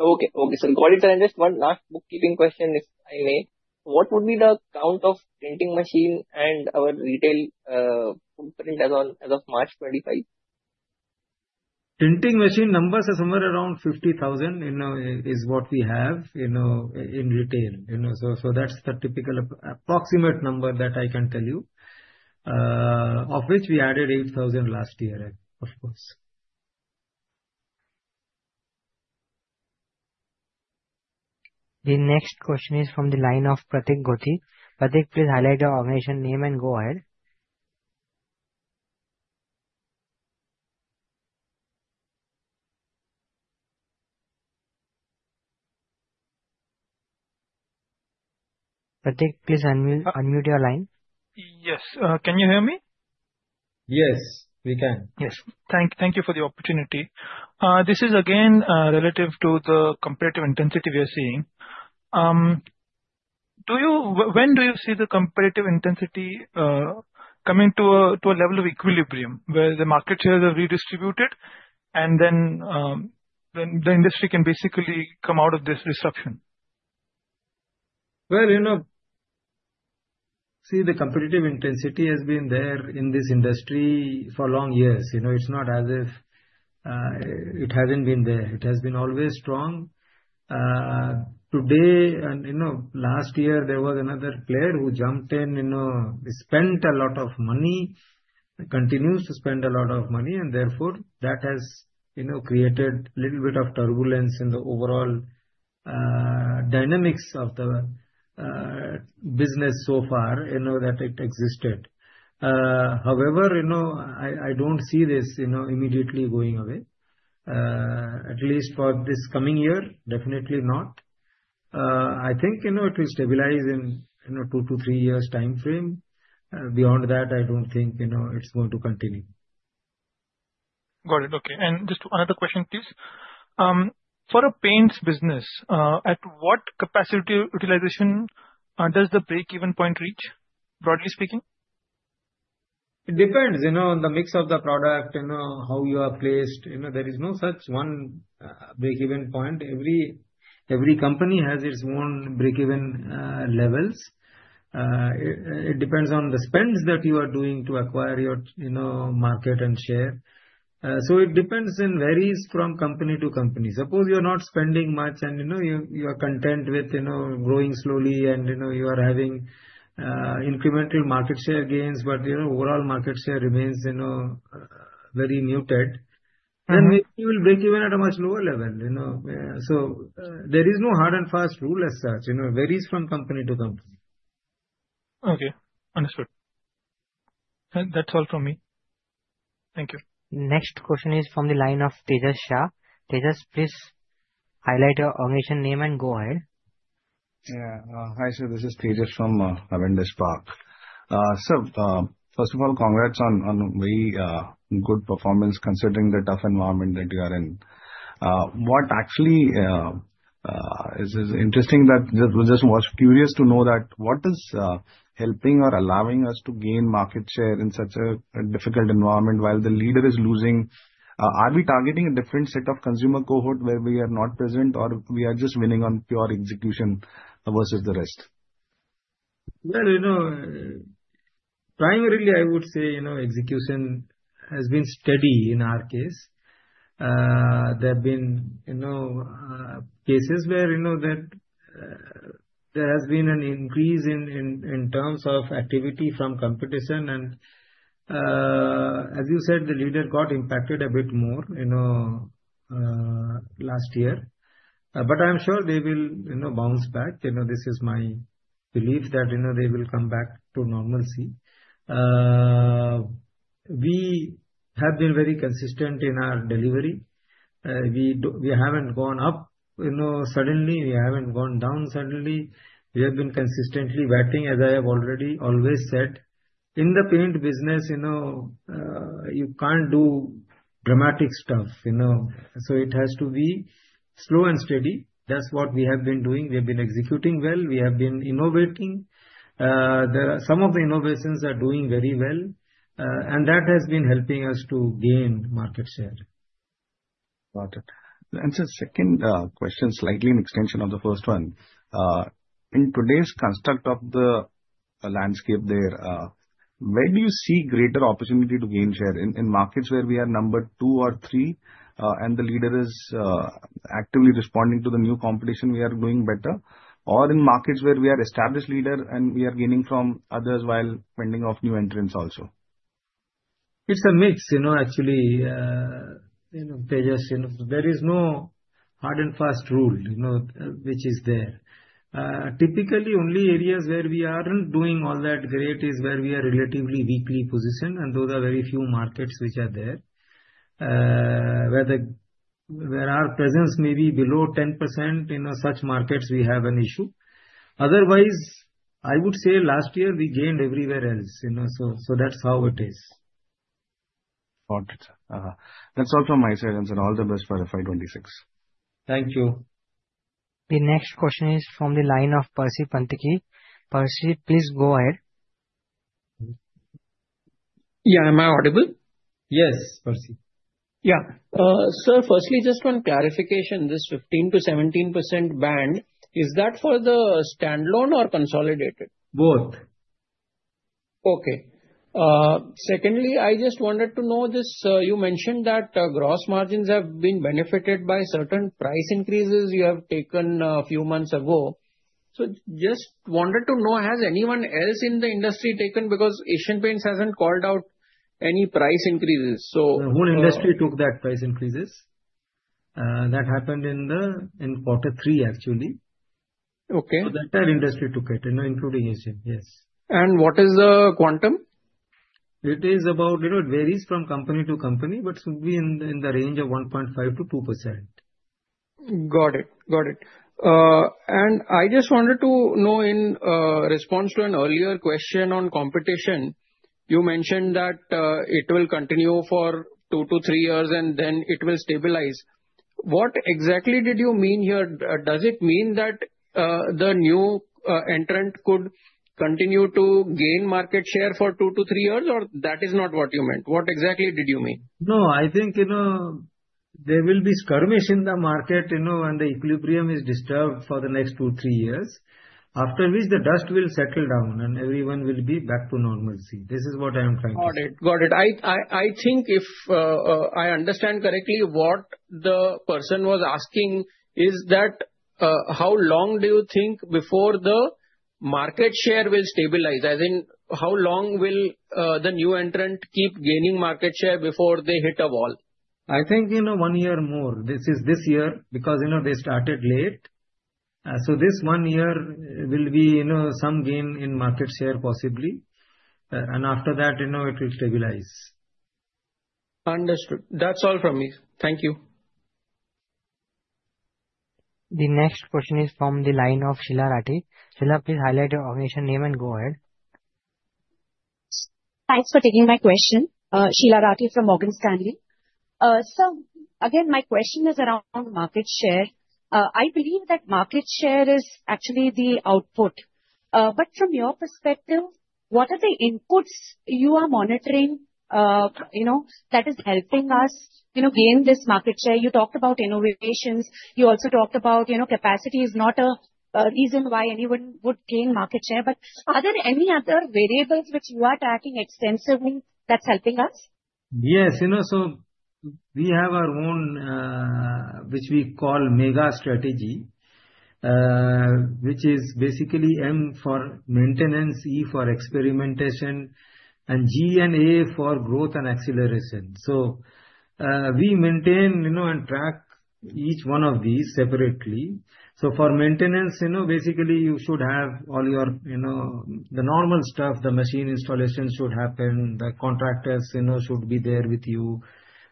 Okay. Okay, sir. Got it, sir. Just one last bookkeeping question, if I may. What would be the count of printing machine and our retail footprint as of March 25th? Printing machine numbers are somewhere around 50,000 is what we have in retail. So that's the typical approximate number that I can tell you, of which we added 8,000 last year, of course. The next question is from the line of Pratik Gothi. Pratik, please highlight your organization name and go ahead. Pratik, please unmute your line. Yes. Can you hear me? Yes. We can. Yes. Thank you for the opportunity. This is, again, relative to the comparative intensity we are seeing. When do you see the comparative intensity coming to a level of equilibrium where the market shares are redistributed and then the industry can basically come out of this disruption? See, the competitive intensity has been there in this industry for long years. It's not as if it hasn't been there. It has been always strong. Today, and last year, there was another player who jumped in, spent a lot of money, continues to spend a lot of money, and therefore, that has created a little bit of turbulence in the overall dynamics of the business so far that it existed. However, I do not see this immediately going away, at least for this coming year, definitely not. I think it will stabilize in two to three years' time frame. Beyond that, I do not think it is going to continue. Got it. Okay. Just another question, please. For a paint business, at what capacity utilization does the break-even point reach, broadly speaking? It depends on the mix of the product, how you are placed. There is no such one break-even point. Every company has its own break-even levels. It depends on the spends that you are doing to acquire your market and share. So it depends and varies from company to company. Suppose you're not spending much and you are content with growing slowly and you are having incremental market share gains, but overall market share remains very muted, then you will break even at a much lower level. So there is no hard and fast rule as such. It varies from company to company. Okay. Understood. That's all from me. Thank you. Next question is from the line of Tejas Shah. Tejas, please highlight your organization name and go ahead. Yeah. Hi, sir. This is Tejas from Marzban Mutual Fund. Sir, first of all, congrats on very good performance considering the tough environment that you are in. What actually is interesting that just was curious to know that what is helping or allowing us to gain market share in such a difficult environment while the leader is losing? Are we targeting a different set of consumer cohort where we are not present, or we are just winning on pure execution versus the rest? Primarily, I would say execution has been steady in our case. There have been cases where there has been an increase in terms of activity from competition. As you said, the leader got impacted a bit more last year. I am sure they will bounce back. This is my belief that they will come back to normalcy. We have been very consistent in our delivery. We have not gone up suddenly. We have not gone down suddenly. We have been consistently batting, as I have already always said. In the paint business, you can't do dramatic stuff. It has to be slow and steady. That's what we have been doing. We have been executing well. We have been innovating. Some of the innovations are doing very well, and that has been helping us to gain market share. Got it. Sir, second question, slightly an extension of the first one. In today's construct of the landscape there, where do you see greater opportunity to gain share? In markets where we are number two or three and the leader is actively responding to the new competition, are we doing better? Or in markets where we are established leader and we are gaining from others while fending off new entrants also? It's a mix, actually. Tejas, there is no hard and fast rule which is there. Typically, only areas where we aren't doing all that great is where we are relatively weakly positioned, and those are very few markets which are there. Where our presence may be below 10%, in such markets, we have an issue. Otherwise, I would say last year we gained everywhere else. So that's how it is. Got it, sir. That's all from my side, and all the best for FY26. Thank you. The next question is from the line of Parsi Panthiki. Parsi, please go ahead. Yeah. Am I audible? Yes, Parsi. Yeah. Sir, firstly, just one clarification. This 15%-17% band, is that for the standalone or consolidated? Both. Okay. Secondly, I just wanted to know this. You mentioned that gross margins have been benefited by certain price increases you have taken a few months ago. Just wanted to know, has anyone else in the industry taken, because Asian Paints has not called out any price increases? Who in the industry took that price increases? That happened in quarter three, actually. That entire industry took it, including Asian. Yes. What is the quantum? It varies from company to company, but it would be in the range of 1.5%-2%. Got it. Got it. I just wanted to know, in response to an earlier question on competition, you mentioned that it will continue for two to three years and then it will stabilize. What exactly did you mean here? Does it mean that the new entrant could continue to gain market share for two to three years, or that is not what you meant? What exactly did you mean? No, I think there will be skirmish in the market when the equilibrium is disturbed for the next two to three years, after which the dust will settle down and everyone will be back to normalcy. This is what I am trying to say. Got it. Got it. I think, if I understand correctly, what the person was asking is that how long do you think before the market share will stabilize? As in, how long will the new entrant keep gaining market share before they hit a wall? I think one year more. This is this year because they started late. So this one year will be some gain in market share, possibly. And after that, it will stabilize. Understood. That's all from me. Thank you. The next question is from the line of Sheila Rathe. Sheila, please highlight your organization name and go ahead. Thanks for taking my question. Sheila Rathe from Morgan Stanley. Sir, again, my question is around market share. I believe that market share is actually the output. From your perspective, what are the inputs you are monitoring that is helping us gain this market share? You talked about innovations. You also talked about capacity is not a reason why anyone would gain market share. Are there any other variables which you are tracking extensively that's helping us? Yes. We have our own which we call Mega Strategy, which is basically M for Maintenance, E for Experimentation, and G and A for Growth and Acceleration. We maintain and track each one of these separately. For maintenance, basically, you should have all your normal stuff, the machine installation should happen, the contractors should be there with you.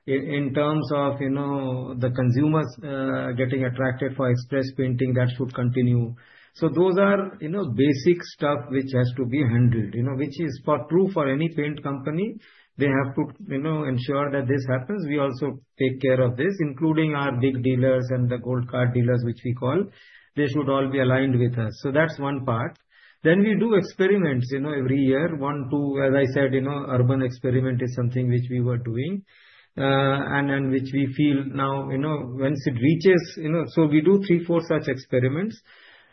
In terms of the consumers getting attracted for Express Painting, that should continue. Those are basic stuff which has to be handled, which is true for any paint company. They have to ensure that this happens. We also take care of this, including our big dealers and the gold card dealers, which we call. They should all be aligned with us. That is one part. We do experiments every year. One, two, as I said, urban experiment is something which we were doing and which we feel now, once it reaches, we do three, four such experiments.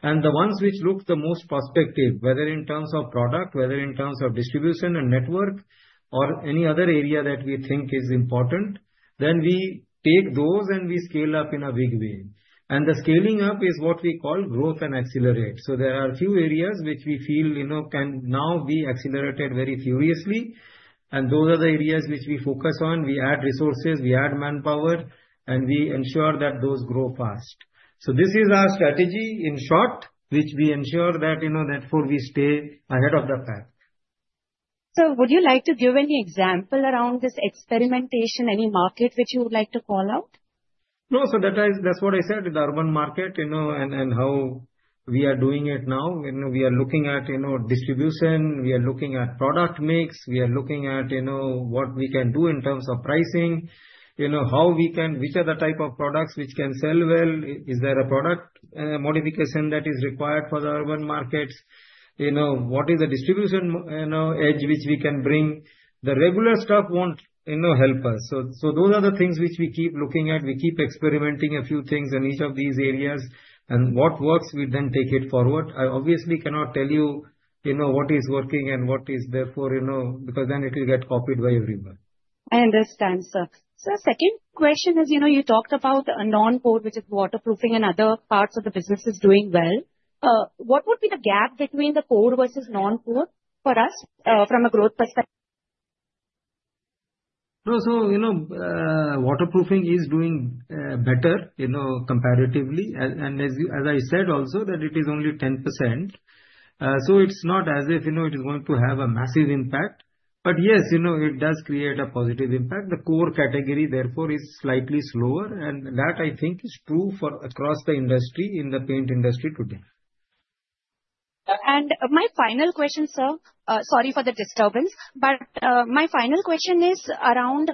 The ones which look the most prospective, whether in terms of product, whether in terms of distribution and network, or any other area that we think is important, we take those and we scale up in a big way. The scaling up is what we call growth and accelerate. There are a few areas which we feel can now be accelerated very furiously. Those are the areas which we focus on. We add resources, we add manpower, and we ensure that those grow fast. This is our strategy, in short, which we ensure that we stay ahead of the pack. Sir, would you like to give any example around this experimentation, any market which you would like to call out? No, That is what I said, the urban market and how we are doing it now. We are looking at distribution. We are looking at product mix. We are looking at what we can do in terms of pricing, how we can, which are the type of products which can sell well. Is there a product modification that is required for the urban markets? What is the distribution edge which we can bring? The regular stuff will not help us. Those are the things which we keep looking at. We keep experimenting a few things in each of these areas. What works, we then take it forward. I obviously cannot tell you what is working and what is there for because then it will get copied by everyone. I understand, sir. Sir, second question is you talked about non-core, which is waterproofing, and other parts of the business is doing well. What would be the gap between the core versus non-core for us from a growth perspective? No, waterproofing is doing better comparatively. As I said also, it is only 10%. It is not as if it is going to have a massive impact. Yes, it does create a positive impact. The core category, therefore, is slightly slower. That, I think, is true across the industry in the paint industry today. My final question, sir, sorry for the disturbance. My final question is around,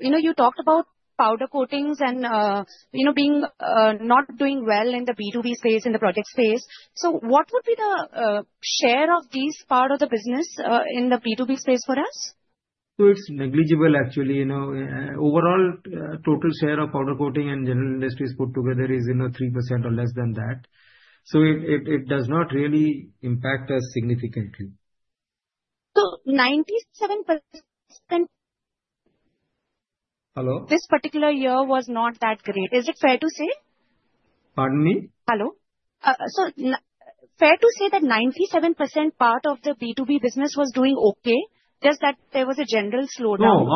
you talked about powder coatings and not doing well in the B2B space, in the project space. What would be the share of this part of the business in the B2B space for us? It is negligible, actually. Overall, total share of powder coating and general industries put together is 3% or less than that. It does not really impact us significantly. Ninety-seven percent. Hello? This particular year was not that great. Is it fair to say? Pardon me? Hello? Fair to say that 97% part of the B2B business was doing okay, just that there was a general slowdown?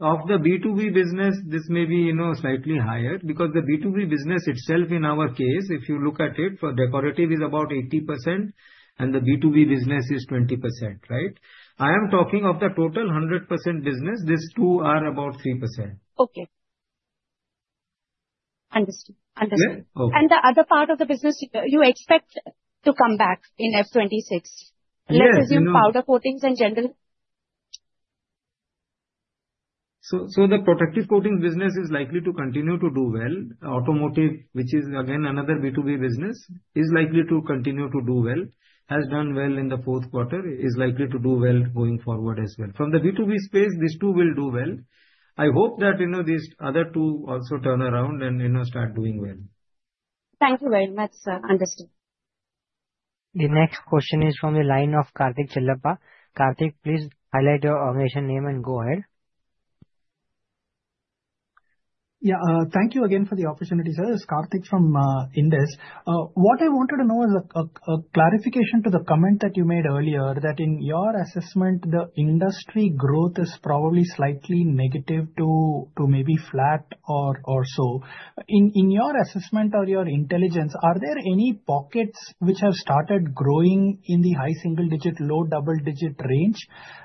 Of the B2B business, this may be slightly higher because the B2B business itself, in our case, if you look at it, for decorative is about 80%, and the B2B business is 20%, right? I am talking of the total 100% business. These two are about 3%. Okay. Understood. Understood. The other part of the business, you expect to come back in FY26? Let's assume powder coatings and general. The protective coatings business is likely to continue to do well. Automotive, which is, again, another B2B business, is likely to continue to do well, has done well in the fourth quarter, is likely to do well going forward as well. From the B2B space, these two will do well. I hope that these other two also turn around and start doing well. Thank you very much, sir. Understood. The next question is from the line of Karthik Chillappa. Karthik, please highlight your organization name and go ahead. Yeah. Thank you again for the opportunity, sir. This is Karthik from Indus. What I wanted to know is a clarification to the comment that you made earlier, that in your assessment, the industry growth is probably slightly negative to maybe flat or so. In your assessment or your intelligence, are there any pockets which have started growing in the high single-digit, low double-digit range?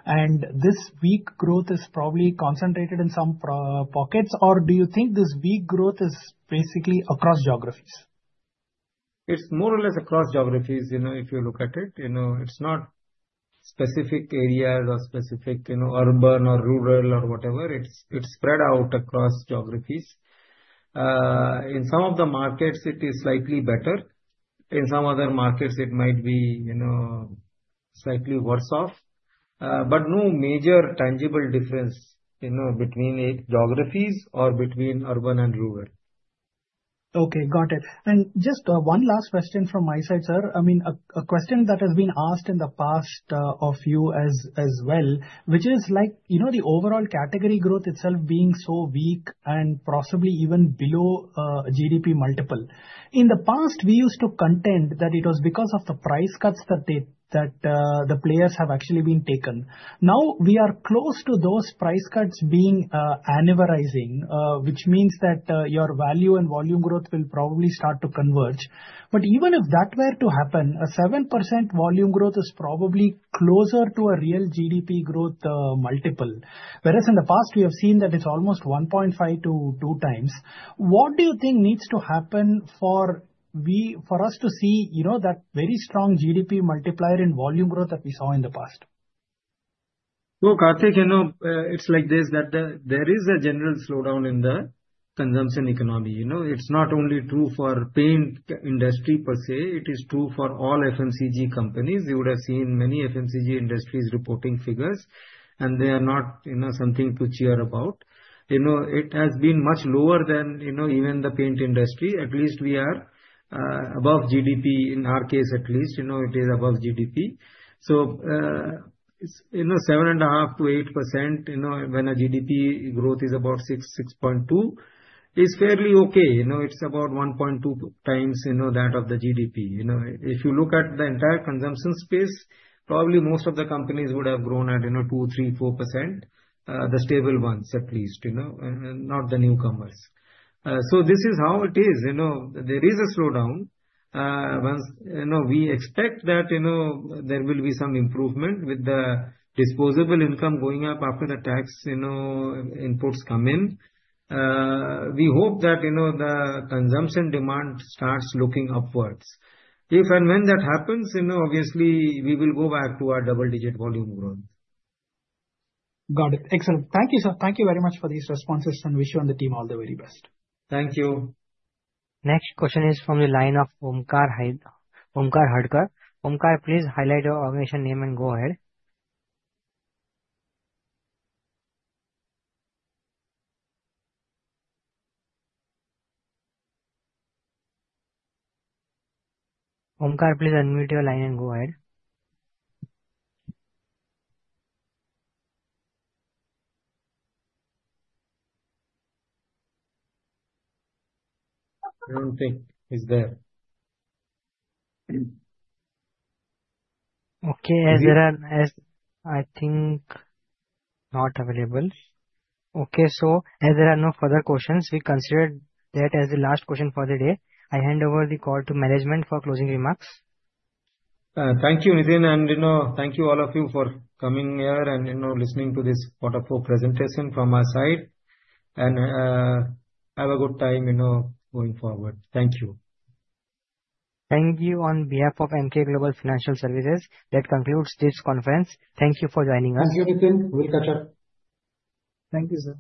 And this weak growth is probably concentrated in some pockets, or do you think this weak growth is basically across geographies? It's more or less across geographies if you look at it. It's not specific areas or specific urban or rural or whatever. It's spread out across geographies. In some of the markets, it is slightly better. In some other markets, it might be slightly worse off. No major tangible difference between geographies or between urban and rural. Okay. Got it. Just one last question from my side, sir. I mean, a question that has been asked in the past of you as well, which is the overall category growth itself being so weak and possibly even below GDP multiple. In the past, we used to contend that it was because of the price cuts that the players have actually been taking. Now, we are close to those price cuts being anniversary, which means that your value and volume growth will probably start to converge. Even if that were to happen, a 7% volume growth is probably closer to a real GDP growth multiple. Whereas in the past, we have seen that it is almost 1.5 to 2 times. What do you think needs to happen for us to see that very strong GDP multiplier in volume growth that we saw in the past? No, Karthik, it's like this that there is a general slowdown in the consumption economy. It's not only true for paint industry per se. It is true for all FMCG companies. You would have seen many FMCG industries reporting figures, and they are not something to cheer about. It has been much lower than even the paint industry. At least we are above GDP. In our case, at least, it is above GDP. So 7.5%-8% when GDP growth is about 6.2% is fairly okay. It's about 1.2 times that of the GDP. If you look at the entire consumption space, probably most of the companies would have grown at 2%, 3%, 4%, the stable ones at least, not the newcomers. This is how it is. There is a slowdown. We expect that there will be some improvement with the disposable income going up after the tax inputs come in. We hope that the consumption demand starts looking upwards. If and when that happens, obviously, we will go back to our double-digit volume growth. Got it. Excellent. Thank you, sir. Thank you very much for these responses, and wish you and the team all the very best. Thank you. Next question is from the line of Omkar Hadkar. Omkar, please highlight your organization name and go ahead. Omkar, please unmute your line and go ahead. I do not think he is there. Okay. As there are, I think, not available. Okay. As there are no further questions, we consider that as the last question for the day. I hand over the call to management for closing remarks. Thank you, Nitin. Thank you all of you for coming here and listening to this waterproof presentation from our side. Have a good time going forward. Thank you. Thank you on behalf of Emkay Global Financial Services. That concludes this conference. Thank you for joining us. Thank you, Nitin. We'll catch up. Thank you, sir.